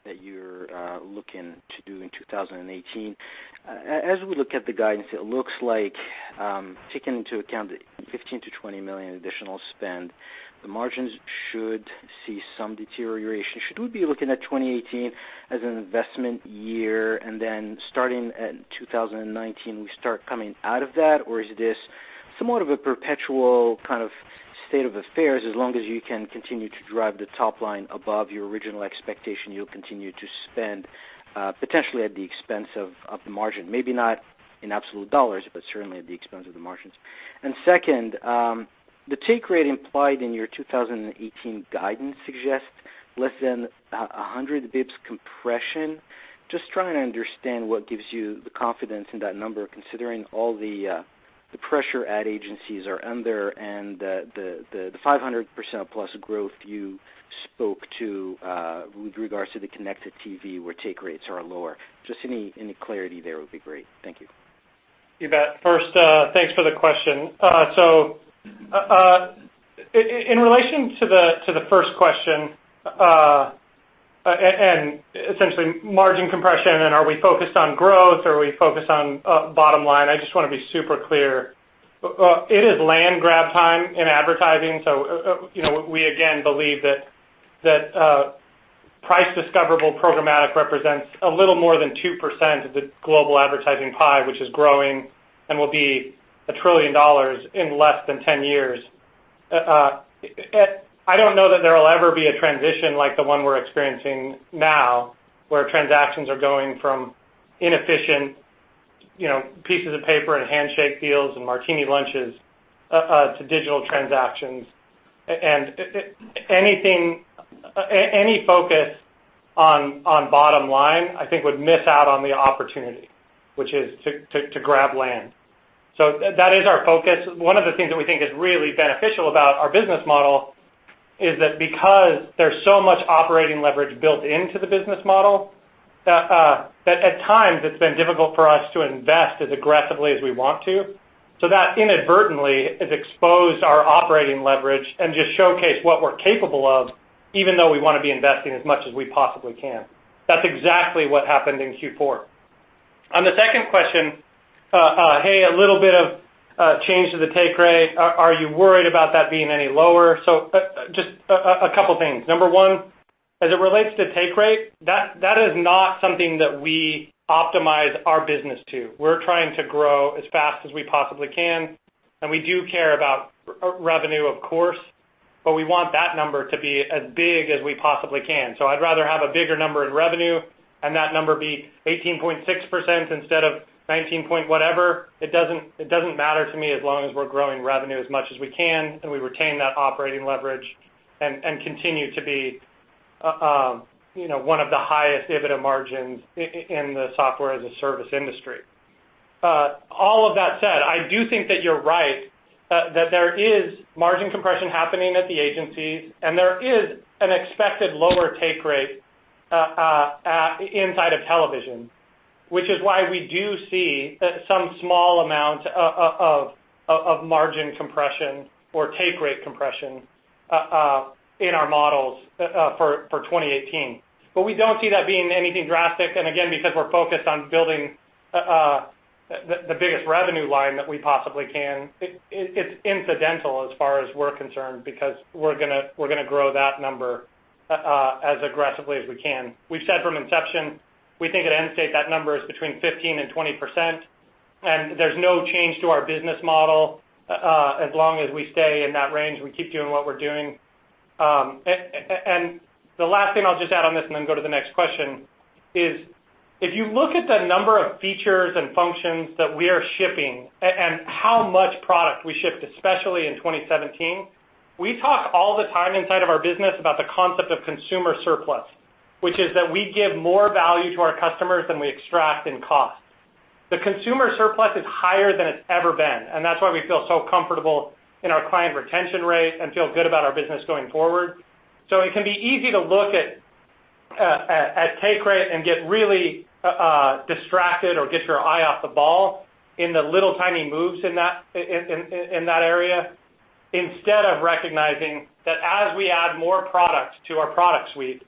Speaker 6: that you're looking to do in 2018. As we look at the guidance, it looks like, taking into account the $15 million-$20 million additional spend, the margins should see some deterioration. Should we be looking at 2018 as an investment year starting in 2019, we start coming out of that? Or is this somewhat of a perpetual kind of state of affairs as long as you can continue to drive the top line above your original expectation, you'll continue to spend, potentially at the expense of the margin, maybe not in absolute dollars, but certainly at the expense of the margins? Second, the take rate implied in your 2018 guidance suggests less than 100 basis points compression. Just trying to understand what gives you the confidence in that number, considering all the pressure ad agencies are under and the 500%+ growth you spoke to with regards to the connected TV where take rates are lower. Just any clarity there would be great. Thank you.
Speaker 3: You bet. First, thanks for the question. In relation to the first question, essentially margin compression and are we focused on growth or are we focused on bottom line, I just want to be super clear. It is land grab time in advertising. We again believe that price discoverable programmatic represents a little more than 2% of the global advertising pie, which is growing and will be $1 trillion in less than 10 years. I don't know that there will ever be a transition like the one we're experiencing now, where transactions are going from inefficient pieces of paper and handshake deals and martini lunches, to digital transactions. Any focus on bottom line, I think would miss out on the opportunity, which is to grab land. That is our focus. One of the things that we think is really beneficial about our business model is that because there's so much operating leverage built into the business model, that at times it's been difficult for us to invest as aggressively as we want to. That inadvertently has exposed our operating leverage and just showcase what we're capable of, even though we want to be investing as much as we possibly can. That's exactly what happened in Q4. On the second question, hey, a little bit of change to the take rate. Are you worried about that being any lower? Just a couple things. Number one, as it relates to take rate, that is not something that we optimize our business to. We're trying to grow as fast as we possibly can, we do care about revenue, of course, we want that number to be as big as we possibly can. I'd rather have a bigger number in revenue and that number be 18.6% instead of 19-point whatever. It doesn't matter to me, as long as we're growing revenue as much as we can and we retain that operating leverage and continue to be one of the highest EBITDA margins in the Software-as-a-Service industry. All of that said, I do think that you're right, that there is margin compression happening at the agencies, and there is an expected lower take rate inside of television. Which is why we do see some small amount of margin compression or take rate compression in our models for 2018. We don't see that being anything drastic, and again, because we're focused on building the biggest revenue line that we possibly can, it's incidental as far as we're concerned because we're going to grow that number as aggressively as we can. We've said from inception, we think at end state that number is between 15%-20%, and there's no change to our business model as long as we stay in that range and we keep doing what we're doing. The last thing I'll just add on this and then go to the next question is, if you look at the number of features and functions that we are shipping and how much product we shipped, especially in 2017, we talk all the time inside of our business about the concept of consumer surplus. Which is that we give more value to our customers than we extract in costs. The consumer surplus is higher than it's ever been, and that's why we feel so comfortable in our client retention rate and feel good about our business going forward. It can be easy to look at take rate and get really distracted or get your eye off the ball in the little tiny moves in that area, instead of recognizing that as we add more product to our product suite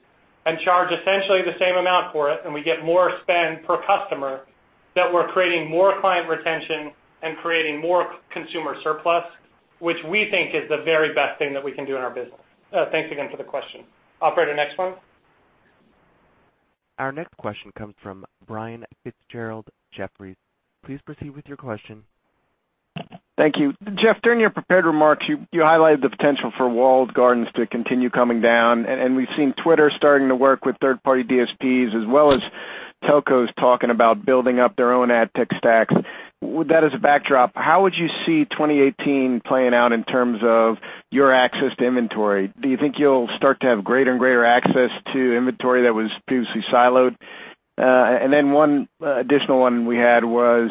Speaker 3: and charge essentially the same amount for it, and we get more spend per customer, that we're creating more client retention and creating more consumer surplus, which we think is the very best thing that we can do in our business. Thanks again for the question. Operator, next one.
Speaker 1: Our next question comes from Brian Fitzgerald, Jefferies. Please proceed with your question.
Speaker 7: Thank you. Jeff, during your prepared remarks, you highlighted the potential for walled gardens to continue coming down. We've seen Twitter starting to work with third-party DSPs, as well as telcos talking about building up their own ad tech stacks. With that as a backdrop, how would you see 2018 playing out in terms of your access to inventory? Do you think you'll start to have greater and greater access to inventory that was previously siloed? One additional one we had was,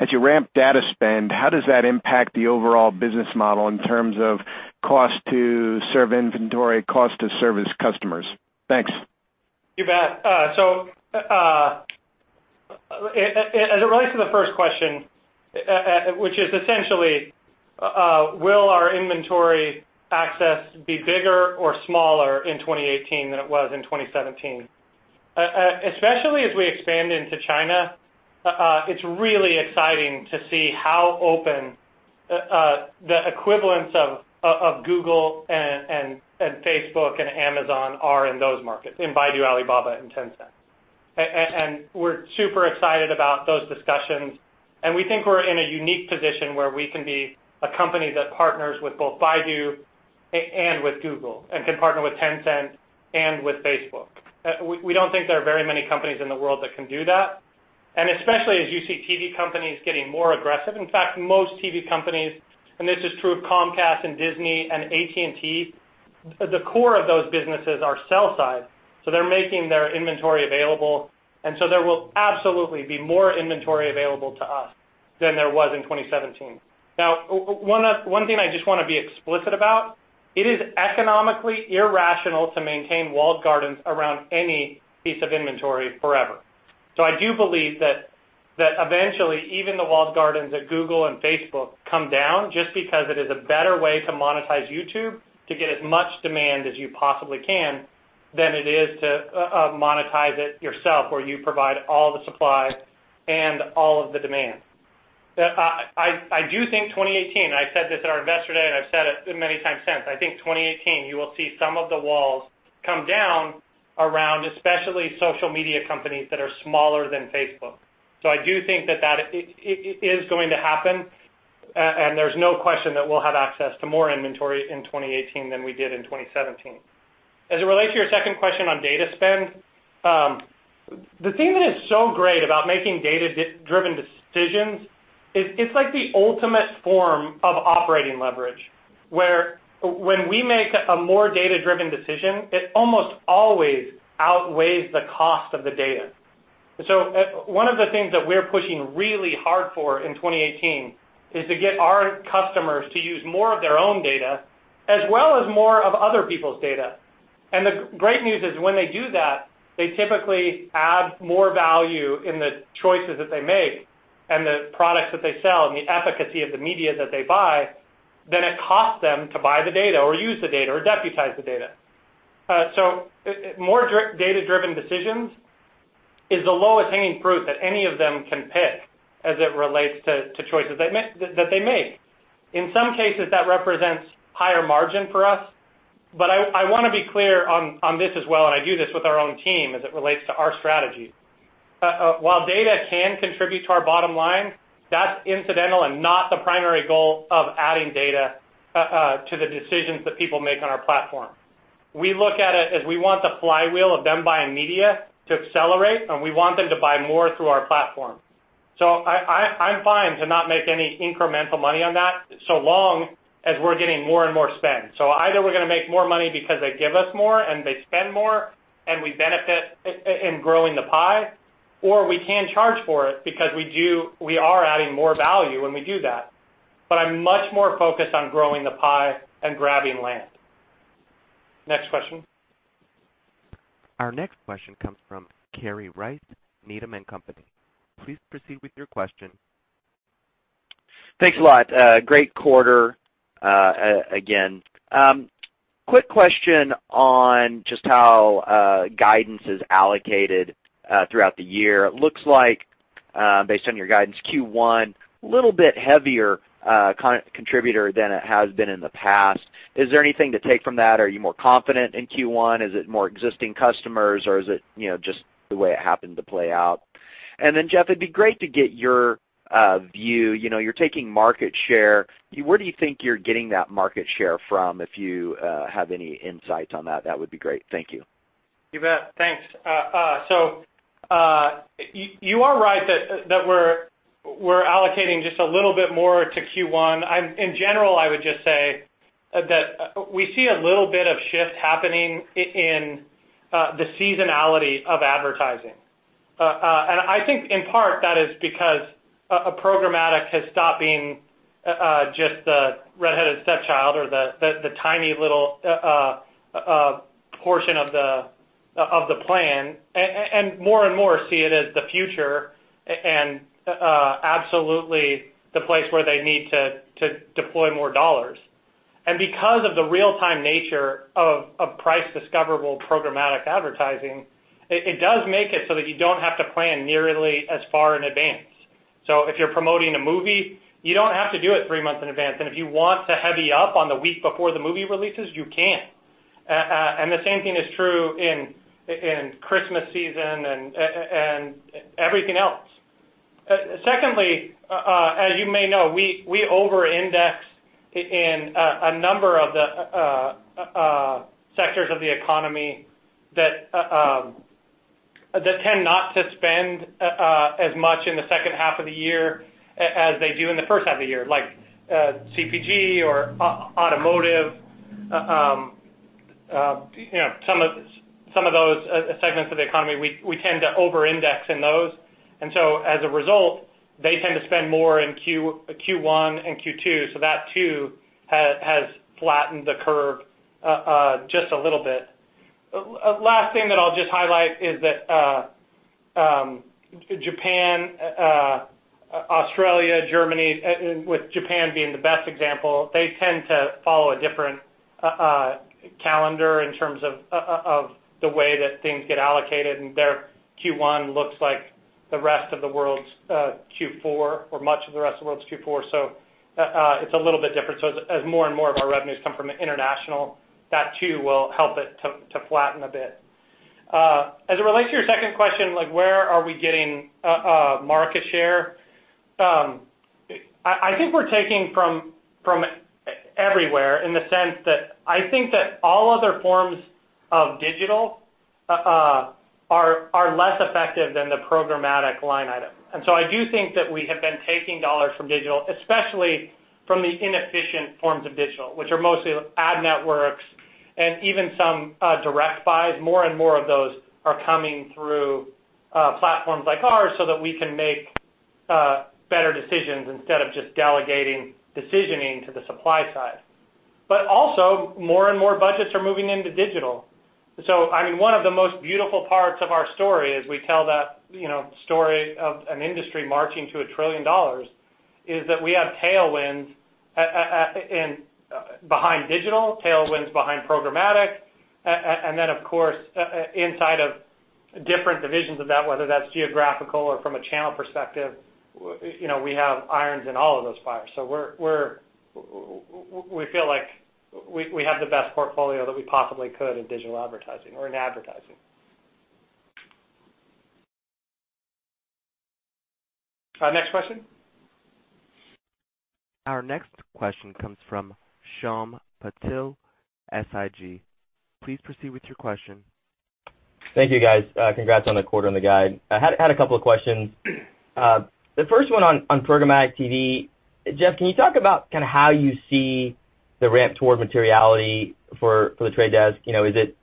Speaker 7: as you ramp data spend, how does that impact the overall business model in terms of cost to serve inventory, cost to service customers? Thanks.
Speaker 3: You bet. As it relates to the first question, which is essentially will our inventory access be bigger or smaller in 2018 than it was in 2017? Especially as we expand into China, it's really exciting to see how open the equivalents of Google and Facebook and Amazon are in those markets, in Baidu, Alibaba, and Tencent. We're super excited about those discussions, and we think we're in a unique position where we can be a company that partners with both Baidu and with Google and can partner with Tencent and with Facebook. We don't think there are very many companies in the world that can do that. Especially as you see TV companies getting more aggressive, in fact, most TV companies, and this is true of Comcast and Disney and AT&T, the core of those businesses are sell side, so they're making their inventory available, and so there will absolutely be more inventory available to us than there was in 2017. Now, one thing I just want to be explicit about, it is economically irrational to maintain walled gardens around any piece of inventory forever. I do believe that eventually even the walled gardens at Google and Facebook come down just because it is a better way to monetize YouTube to get as much demand as you possibly can than it is to monetize it yourself where you provide all the supply and all of the demand. I do think 2018, I said this at our investor day, and I've said it many times since, I think 2018, you will see some of the walls come down around especially social media companies that are smaller than Facebook. I do think that that is going to happen, and there's no question that we'll have access to more inventory in 2018 than we did in 2017. As it relates to your second question on data spend, the thing that is so great about making data-driven decisions is it's like the ultimate form of operating leverage, where when we make a more data-driven decision, it almost always outweighs the cost of the data. One of the things that we're pushing really hard for in 2018 is to get our customers to use more of their own data as well as more of other people's data. The great news is when they do that, they typically add more value in the choices that they make and the products that they sell and the efficacy of the media that they buy than it costs them to buy the data or use the data or deputize the data. More data-driven decisions is the lowest hanging fruit that any of them can pick as it relates to choices that they make. In some cases, that represents higher margin for us. I want to be clear on this as well, and I do this with our own team as it relates to our strategy. While data can contribute to our bottom line, that's incidental and not the primary goal of adding data to the decisions that people make on our platform. We look at it as we want the flywheel of them buying media to accelerate, and we want them to buy more through our platform. I'm fine to not make any incremental money on that, so long as we're getting more and more spend. Either we're going to make more money because they give us more and they spend more and we benefit in growing the pie, or we can charge for it because we are adding more value when we do that. I'm much more focused on growing the pie and grabbing land. Next question.
Speaker 1: Our next question comes from Kerry Rice, Needham & Company. Please proceed with your question.
Speaker 8: Thanks a lot. Great quarter again. Quick question on just how guidance is allocated throughout the year. It looks like based on your guidance Q1, little bit heavier contributor than it has been in the past. Is there anything to take from that? Are you more confident in Q1? Is it more existing customers or is it just the way it happened to play out? Jeff, it'd be great to get your view. You're taking market share. Where do you think you're getting that market share from? If you have any insights on that would be great. Thank you.
Speaker 3: You bet. Thanks. You are right that we're allocating just a little bit more to Q1. In general, I would just say that we see a little bit of shift happening in the seasonality of advertising. I think in part that is because programmatic has stopped being just the red-headed stepchild or the tiny little portion of the plan and more and more see it as the future and absolutely the place where they need to deploy more $. Because of the real-time nature of price discoverable programmatic advertising, it does make it so that you don't have to plan nearly as far in advance. If you're promoting a movie, you don't have to do it 3 months in advance. If you want to heavy up on the week before the movie releases, you can. The same thing is true in Christmas season and everything else. Secondly, as you may know, we over-index in a number of the sectors of the economy that tend not to spend as much in the second half of the year as they do in the first half of the year, like CPG or automotive. Some of those segments of the economy, we tend to over-index in those. As a result, they tend to spend more in Q1 and Q2, that too has flattened the curve just a little bit. Last thing that I'll just highlight is that Japan, Australia, Germany, with Japan being the best example, they tend to follow a different calendar in terms of the way that things get allocated, and their Q1 looks like the rest of the world's Q4, or much of the rest of the world's Q4. It's a little bit different. As more and more of our revenues come from international, that too will help it to flatten a bit. As it relates to your second question, where are we getting market share? I think we're taking from everywhere in the sense that I think that all other forms of digital are less effective than the programmatic line item. I do think that we have been taking $ from digital, especially from the inefficient forms of digital, which are mostly ad networks and even some direct buys. More and more of those are coming through platforms like ours so that we can make better decisions instead of just delegating decisioning to the supply side. Also, more and more budgets are moving into digital. One of the most beautiful parts of our story as we tell that story of an industry marching to $1 trillion, is that we have tailwinds behind digital, tailwinds behind programmatic, and then of course, inside of different divisions of that, whether that's geographical or from a channel perspective, we have irons in all of those fires. We feel like we have the best portfolio that we possibly could in digital advertising or in advertising. Next question.
Speaker 1: Our next question comes from Shyam Patil, Susquehanna. Please proceed with your question.
Speaker 9: Thank you, guys. Congrats on the quarter and the guide. I had a couple of questions. The first one on programmatic TV. Jeff, can you talk about how you see the ramp toward materiality for The Trade Desk? Is it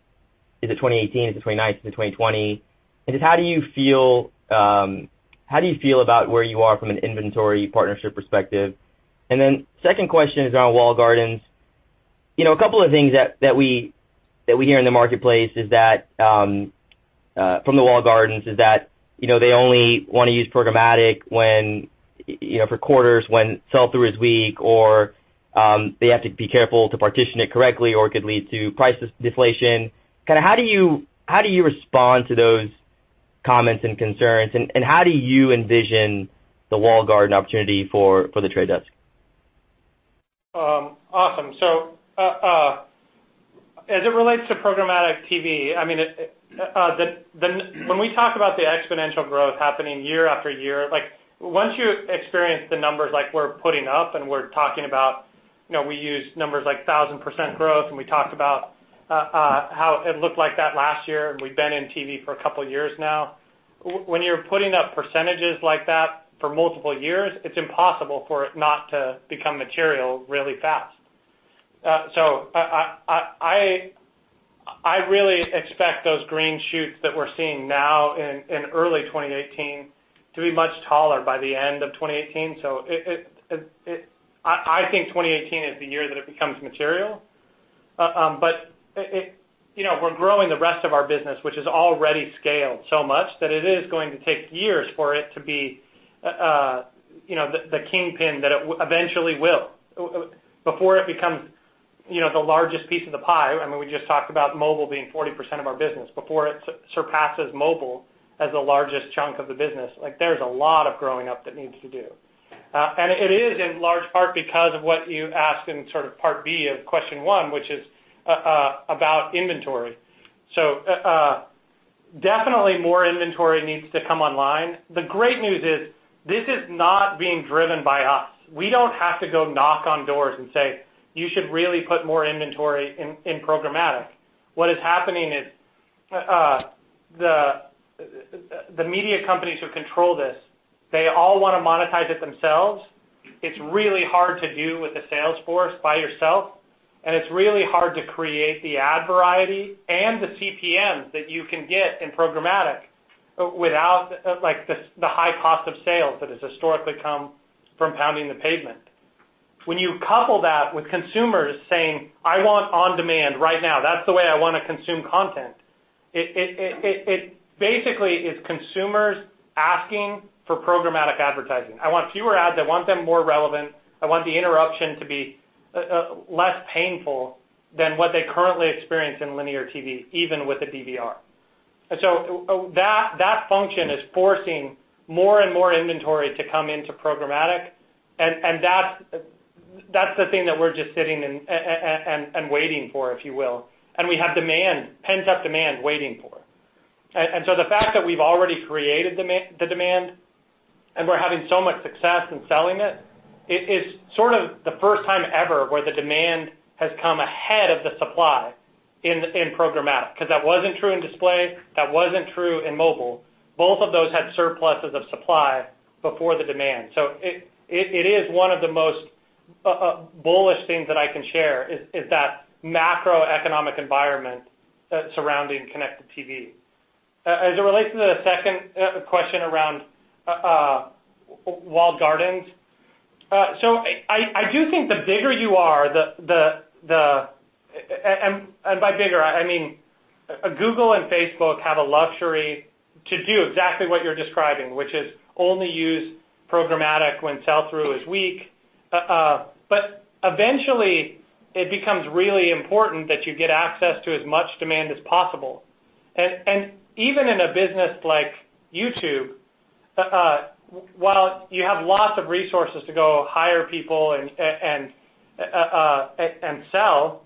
Speaker 9: 2018? Is it 2019? Is it 2020? Just how do you feel about where you are from an inventory partnership perspective? Second question is around walled gardens. A couple of things that we hear in the marketplace from the walled gardens is that they only want to use programmatic for quarters when sell-through is weak, or they have to be careful to partition it correctly, or it could lead to price deflation. How do you respond to those comments and concerns, and how do you envision the walled garden opportunity for The Trade Desk?
Speaker 3: Awesome. As it relates to programmatic TV, when we talk about the exponential growth happening year after year, once you experience the numbers like we're putting up and we're talking about, we use numbers like 1,000% growth. We talked about how it looked like that last year. We've been in TV for a couple of years now. When you're putting up percentages like that for multiple years, it's impossible for it not to become material really fast. I really expect those green shoots that we're seeing now in early 2018 to be much taller by the end of 2018. I think 2018 is the year that it becomes material. We're growing the rest of our business, which has already scaled so much that it is going to take years for it to be the kingpin that it eventually will. Before it becomes the largest piece of the pie, we just talked about mobile being 40% of our business. Before it surpasses mobile as the largest chunk of the business, there's a lot of growing up that needs to do. It is in large part because of what you asked in sort of part B of question one, which is about inventory. Definitely more inventory needs to come online. The great news is this is not being driven by us. We don't have to go knock on doors and say, "You should really put more inventory in programmatic." What is happening is the media companies who control this, they all want to monetize it themselves. It's really hard to do with a sales force by yourself, it's really hard to create the ad variety and the CPMs that you can get in programmatic without the high cost of sales that has historically come from pounding the pavement. When you couple that with consumers saying, "I want on-demand right now. That's the way I want to consume content." It basically is consumers asking for programmatic advertising. I want fewer ads. I want them more relevant. I want the interruption to be less painful than what they currently experience in linear TV, even with a DVR. That function is forcing more and more inventory to come into programmatic, that's the thing that we're just sitting and waiting for, if you will. We have pent-up demand waiting for. The fact that we've already created the demand and we're having so much success in selling it is sort of the first time ever where the demand has come ahead of the supply in programmatic, because that wasn't true in display, that wasn't true in mobile. Both of those had surpluses of supply before the demand. It is one of the most bullish things that I can share is that macroeconomic environment surrounding connected TV. As it relates to the second question around walled gardens. I do think the bigger you are, and by bigger, I mean Google and Facebook have a luxury to do exactly what you're describing, which is only use programmatic when sell-through is weak. Eventually, it becomes really important that you get access to as much demand as possible. Even in a business like YouTube, while you have lots of resources to go hire people and sell,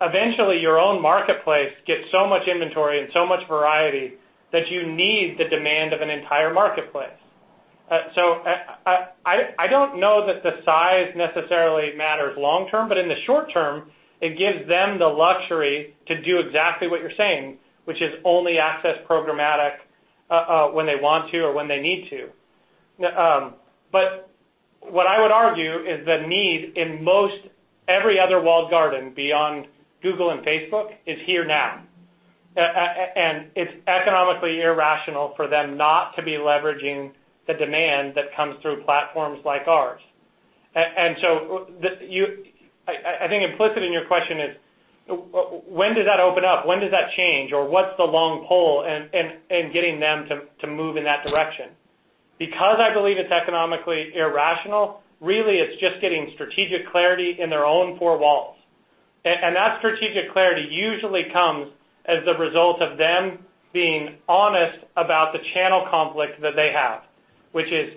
Speaker 3: eventually your own marketplace gets so much inventory and so much variety that you need the demand of an entire marketplace. I don't know that the size necessarily matters long term, in the short term, it gives them the luxury to do exactly what you're saying, which is only access programmatic, when they want to or when they need to. What I would argue is the need in most every other walled garden beyond Google and Facebook is here now. It's economically irrational for them not to be leveraging the demand that comes through platforms like ours. I think implicit in your question is when does that open up? When does that change? What's the long pull in getting them to move in that direction? I believe it's economically irrational, really, it's just getting strategic clarity in their own four walls. That strategic clarity usually comes as the result of them being honest about the channel conflict that they have, which is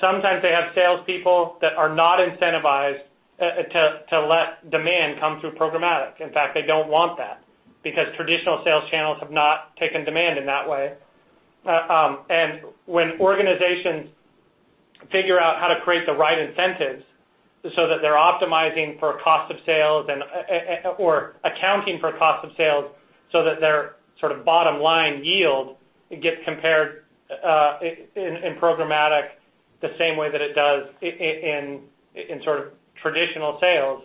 Speaker 3: sometimes they have salespeople that are not incentivized to let demand come through programmatic. In fact, they don't want that, because traditional sales channels have not taken demand in that way. When organizations figure out how to create the right incentives so that they're optimizing for cost of sales or accounting for cost of sales so that their sort of bottom line yield gets compared in programmatic the same way that it does in sort of traditional sales,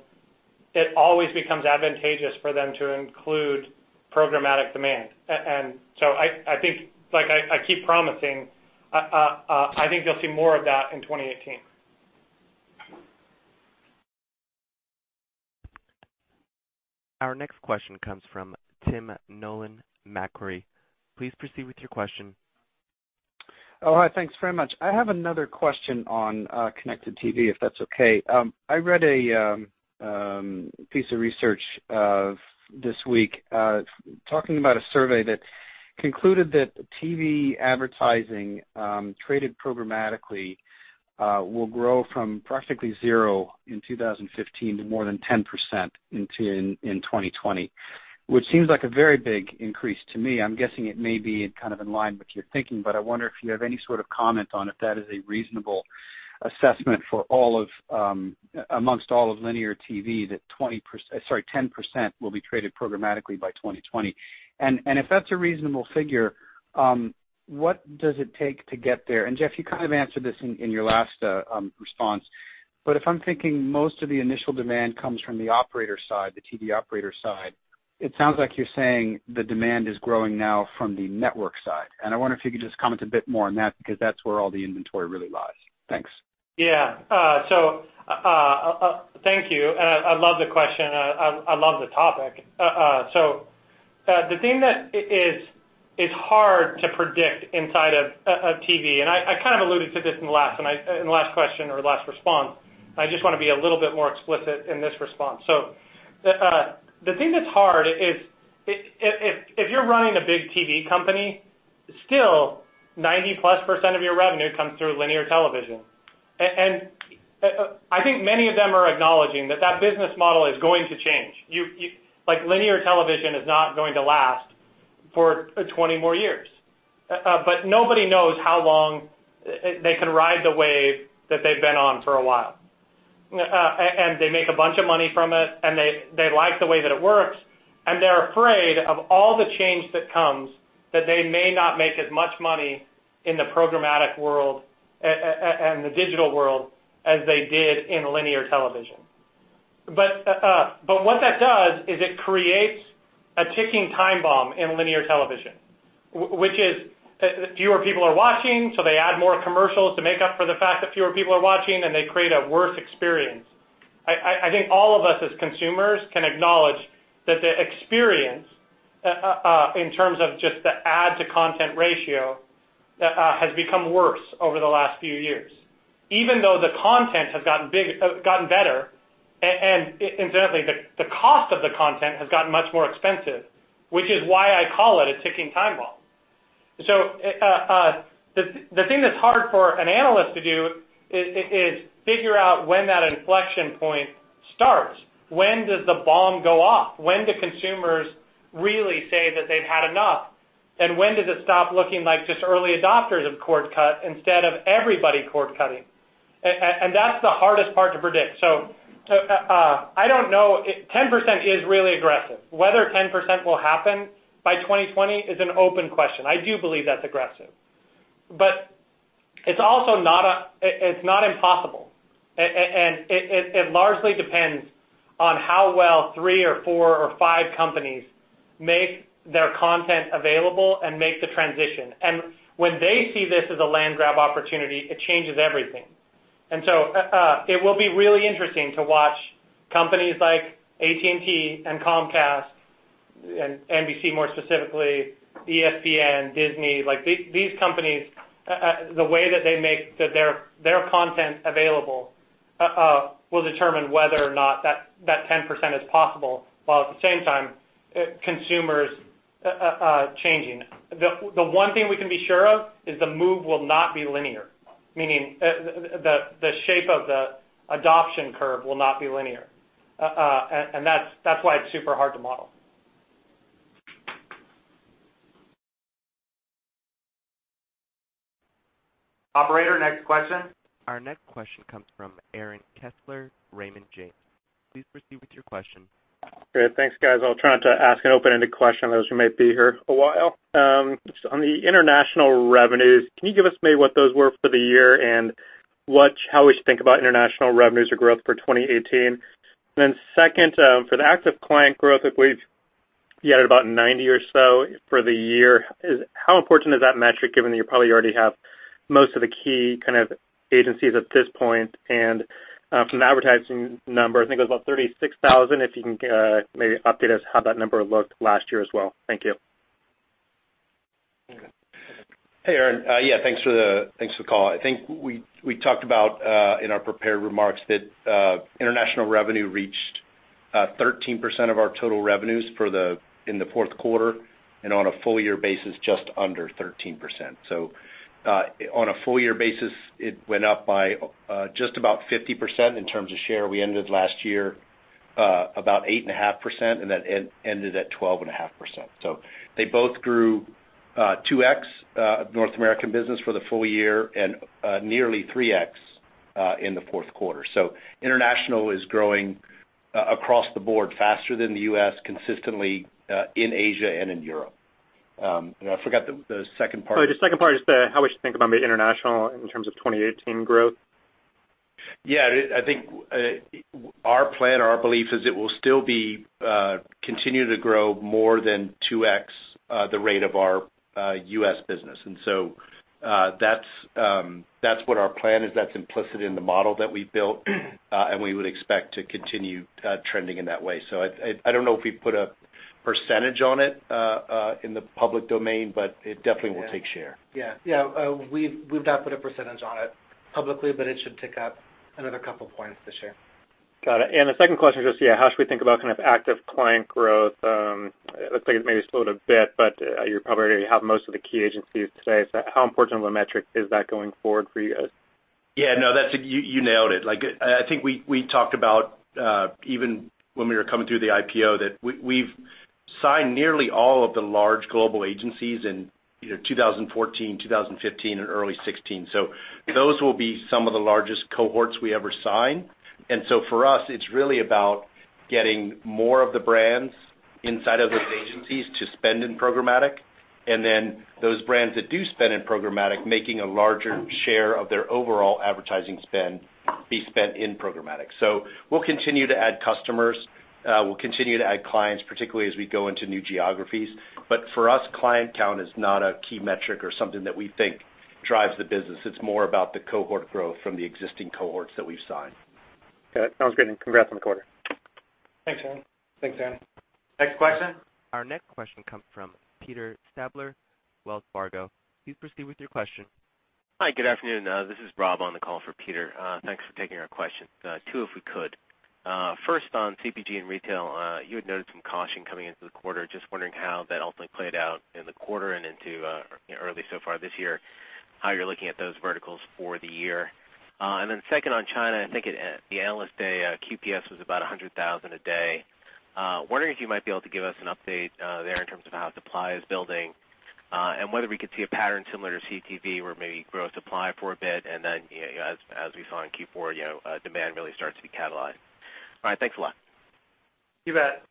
Speaker 3: it always becomes advantageous for them to include programmatic demand. I think, like I keep promising, I think you'll see more of that in 2018.
Speaker 1: Our next question comes from Tim Nollen, Macquarie. Please proceed with your question.
Speaker 10: Oh, hi. Thanks very much. I have another question on connected TV, if that's okay. I read a piece of research this week talking about a survey that concluded that TV advertising traded programmatically will grow from practically zero in 2015 to more than 10% in 2020, which seems like a very big increase to me. I'm guessing it may be kind of in line with your thinking, but I wonder if you have any sort of comment on if that is a reasonable assessment amongst all of linear TV that 10% will be traded programmatically by 2020. If that's a reasonable figure, what does it take to get there? Jeff, you kind of answered this in your last response, if I'm thinking most of the initial demand comes from the operator side, the TV operator side, it sounds like you're saying the demand is growing now from the network side. I wonder if you could just comment a bit more on that, because that's where all the inventory really lies. Thanks.
Speaker 3: Thank you. I love the question. I love the topic. The thing that is hard to predict inside of TV, I kind of alluded to this in the last question or last response. I just want to be a little bit more explicit in this response. The thing that's hard is if you're running a big TV company, still 90+% of your revenue comes through linear television. I think many of them are acknowledging that that business model is going to change. Linear television is not going to last for 20 more years. Nobody knows how long they can ride the wave that they've been on for a while. They make a bunch of money from it, they like the way that it works, they're afraid of all the change that comes that they may not make as much money in the programmatic world, the digital world as they did in linear television. What that does is it creates a ticking time bomb in linear television, which is fewer people are watching. They add more commercials to make up for the fact that fewer people are watching. They create a worse experience. I think all of us as consumers can acknowledge that the experience, in terms of just the ad to content ratio, has become worse over the last few years, even though the content has gotten better. Incidentally, the cost of the content has gotten much more expensive, which is why I call it a ticking time bomb. The thing that's hard for an analyst to do is figure out when that inflection point starts. When does the bomb go off? When do consumers really say that they've had enough? When does it stop looking like just early adopters have cord cut instead of everybody cord cutting? That's the hardest part to predict. I don't know, 10% is really aggressive. Whether 10% will happen by 2020 is an open question. I do believe that's aggressive, it's not impossible. It largely depends on how well three or four or five companies make their content available and make the transition. When they see this as a land grab opportunity, it changes everything. It will be really interesting to watch companies like AT&T, Comcast, NBC more specifically, ESPN, Disney, these companies, the way that they make their content available, will determine whether or not that 10% is possible. While at the same time, consumers are changing. The one thing we can be sure of is the move will not be linear, meaning the shape of the adoption curve will not be linear. That's why it's super hard to model. Operator, next question.
Speaker 1: Our next question comes from Aaron Kessler, Raymond James. Please proceed with your question.
Speaker 11: Great. Thanks, guys. I'll try not to ask an open-ended question as we might be here a while. Just on the international revenues, can you give us maybe what those were for the year and how we should think about international revenues or growth for 2018? Second, for the active client growth, I believe you had about 90 or so for the year. How important is that metric, given that you probably already have most of the key kind of agencies at this point? From the advertiser number, I think it was about 36,000. If you can maybe update us how that number looked last year as well. Thank you.
Speaker 4: Hey, Aaron. Yeah, thanks for the call. I think we talked about, in our prepared remarks, that international revenue reached 13% of our total revenues in the fourth quarter, and on a full-year basis, just under 13%. On a full-year basis, it went up by just about 50% in terms of share. We ended last year about 8.5%, and that ended at 12.5%. They both grew 2x North American business for the full year and nearly 3x in the fourth quarter. International is growing across the board faster than the U.S. consistently, in Asia and in Europe. I forgot the second part.
Speaker 11: Sorry, the second part is how we should think about maybe international in terms of 2018 growth.
Speaker 4: Yeah, I think our plan, our belief is it will still continue to grow more than 2X the rate of our U.S. business. That's what our plan is. That's implicit in the model that we built. We would expect to continue trending in that way. I don't know if we put a percentage on it in the public domain, but it definitely will take share.
Speaker 3: Yeah. We've not put a percentage on it publicly, but it should tick up another couple points this year.
Speaker 11: Got it. The second question is just, yeah, how should we think about kind of active client growth? It looks like it maybe slowed a bit, but you probably already have most of the key agencies today. How important of a metric is that going forward for you guys?
Speaker 4: Yeah, no, you nailed it. I think we talked about, even when we were coming through the IPO, that we've signed nearly all of the large global agencies in 2014, 2015, and early 2016. Those will be some of the largest cohorts we ever sign. For us, it's really about getting more of the brands inside of those agencies to spend in programmatic, and then those brands that do spend in programmatic, making a larger share of their overall advertising spend be spent in programmatic. We'll continue to add customers. We'll continue to add clients, particularly as we go into new geographies. For us, client count is not a key metric or something that we think drives the business. It's more about the cohort growth from the existing cohorts that we've signed.
Speaker 11: Okay, sounds great. Congrats on the quarter.
Speaker 3: Thanks, Aaron.
Speaker 4: Thanks, Aaron.
Speaker 1: Next question? Our next question comes from Peter Stabler, Wells Fargo. Please proceed with your question.
Speaker 12: Hi. Good afternoon. This is Rob on the call for Peter. Thanks for taking our question. Two, if we could. First on CPG and retail, you had noted some caution coming into the quarter. Just wondering how that ultimately played out in the quarter and into early so far this year, how you are looking at those verticals for the year. Second on China, I think at the Analyst Day, QPS was about uncertain Wondering if you might be able to give us an update there in terms of how supply is building and whether we could see a pattern similar to connected TV where maybe you grow supply for a bit, and then as we saw in Q4, demand really starts to be catalyzed. Thanks a lot.
Speaker 3: You bet.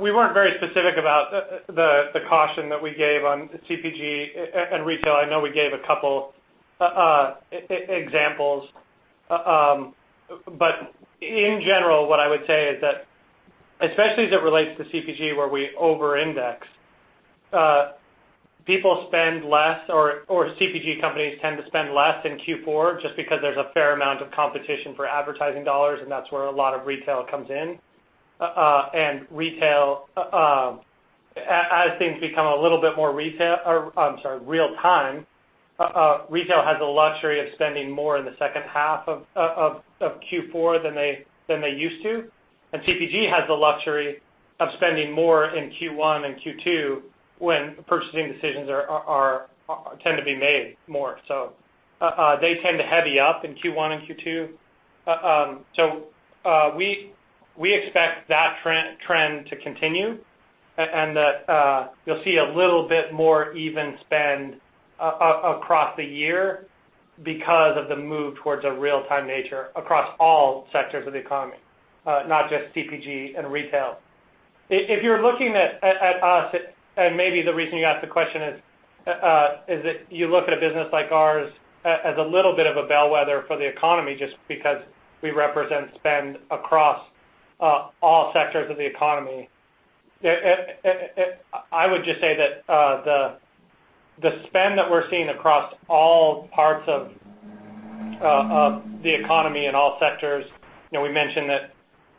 Speaker 3: We weren't very specific about the caution that we gave on CPG and retail. I know we gave a couple examples. In general, what I would say is that especially as it relates to CPG, where we over-index, people spend less or CPG companies tend to spend less in Q4 just because there is a fair amount of competition for advertising dollars, and that is where a lot of retail comes in. Retail, as things become a little bit more real time, retail has the luxury of spending more in the second half of Q4 than they used to. CPG has the luxury of spending more in Q1 and Q2 when purchasing decisions tend to be made more so. They tend to heavy up in Q1 and Q2. We expect that trend to continue and that you will see a little bit more even spend across the year because of the move towards a real-time nature across all sectors of the economy, not just CPG and retail. If you are looking at us, and maybe the reason you asked the question is that you look at a business like ours as a little bit of a bellwether for the economy just because we represent spend across all sectors of the economy. I would just say that the spend that we are seeing across all parts of the economy in all sectors, we mentioned that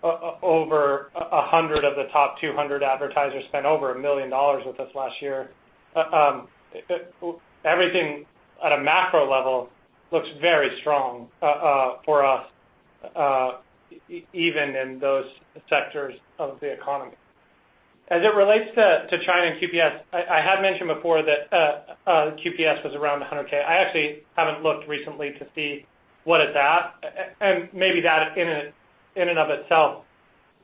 Speaker 3: over 100 of the top 200 advertisers spent over $1 million with us last year. Everything at a macro level looks very strong for us even in those sectors of the economy. As it relates to China and QPS, I had mentioned before that QPS was around 100,000. I actually haven't looked recently to see what it is at, and maybe that in and of itself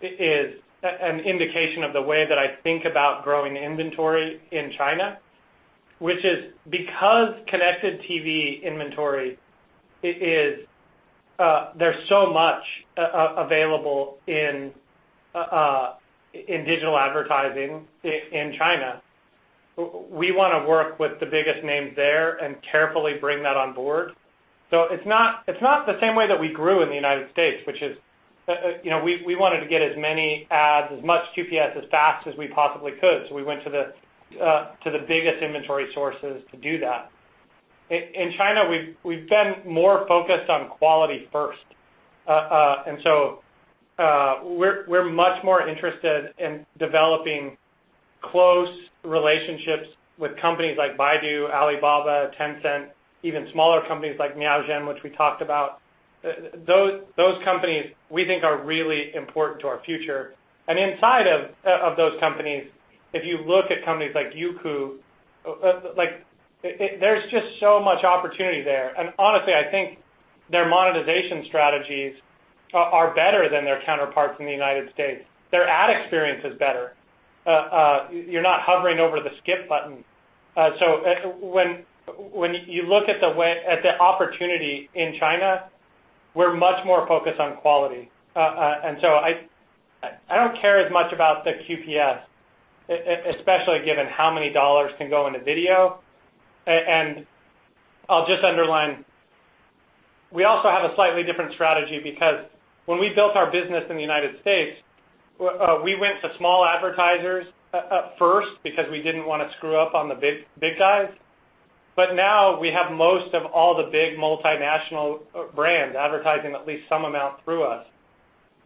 Speaker 3: is an indication of the way that I think about growing inventory in China, which is because connected TV inventory, there is so much available in digital advertising in China. We want to work with the biggest names there and carefully bring that on board. It is not the same way that we grew in the U.S., which is we wanted to get as many ads, as much QPS, as fast as we possibly could. We went to the biggest inventory sources to do that. In China, we have been more focused on quality first. We're much more interested in developing close relationships with companies like Baidu, Alibaba, Tencent, even smaller companies like Miaozhen, which we talked about. Those companies we think are really important to our future. Inside of those companies, if you look at companies like Youku, there's just so much opportunity there. Honestly, I think their monetization strategies are better than their counterparts in the U.S. Their ad experience is better. You're not hovering over the skip button. When you look at the opportunity in China, we're much more focused on quality. I don't care as much about the QPS, especially given how many dollars can go into video. I'll just underline, we also have a slightly different strategy because when we built our business in the U.S., we went to small advertisers at first because we didn't want to screw up on the big guys. Now we have most of all the big multinational brands advertising at least some amount through us.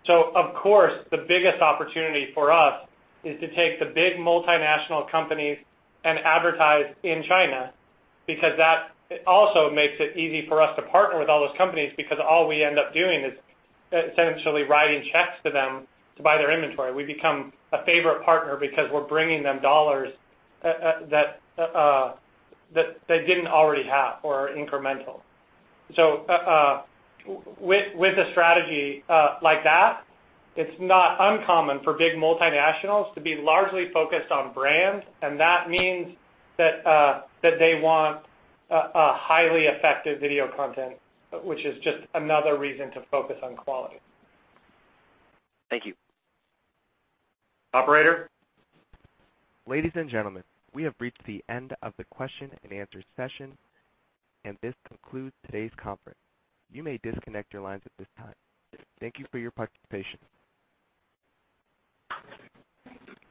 Speaker 3: Of course, the biggest opportunity for us is to take the big multinational companies and advertise in China because that also makes it easy for us to partner with all those companies because all we end up doing is essentially writing checks to them to buy their inventory. We become a favorite partner because we're bringing them dollars that they didn't already have or are incremental. With a strategy like that, it's not uncommon for big multinationals to be largely focused on brand, that means that they want a highly effective video content, which is just another reason to focus on quality.
Speaker 12: Thank you.
Speaker 3: Operator?
Speaker 1: Ladies and gentlemen, we have reached the end of the question and answer session, and this concludes today's conference. You may disconnect your lines at this time. Thank you for your participation.
Speaker 3: Thank you.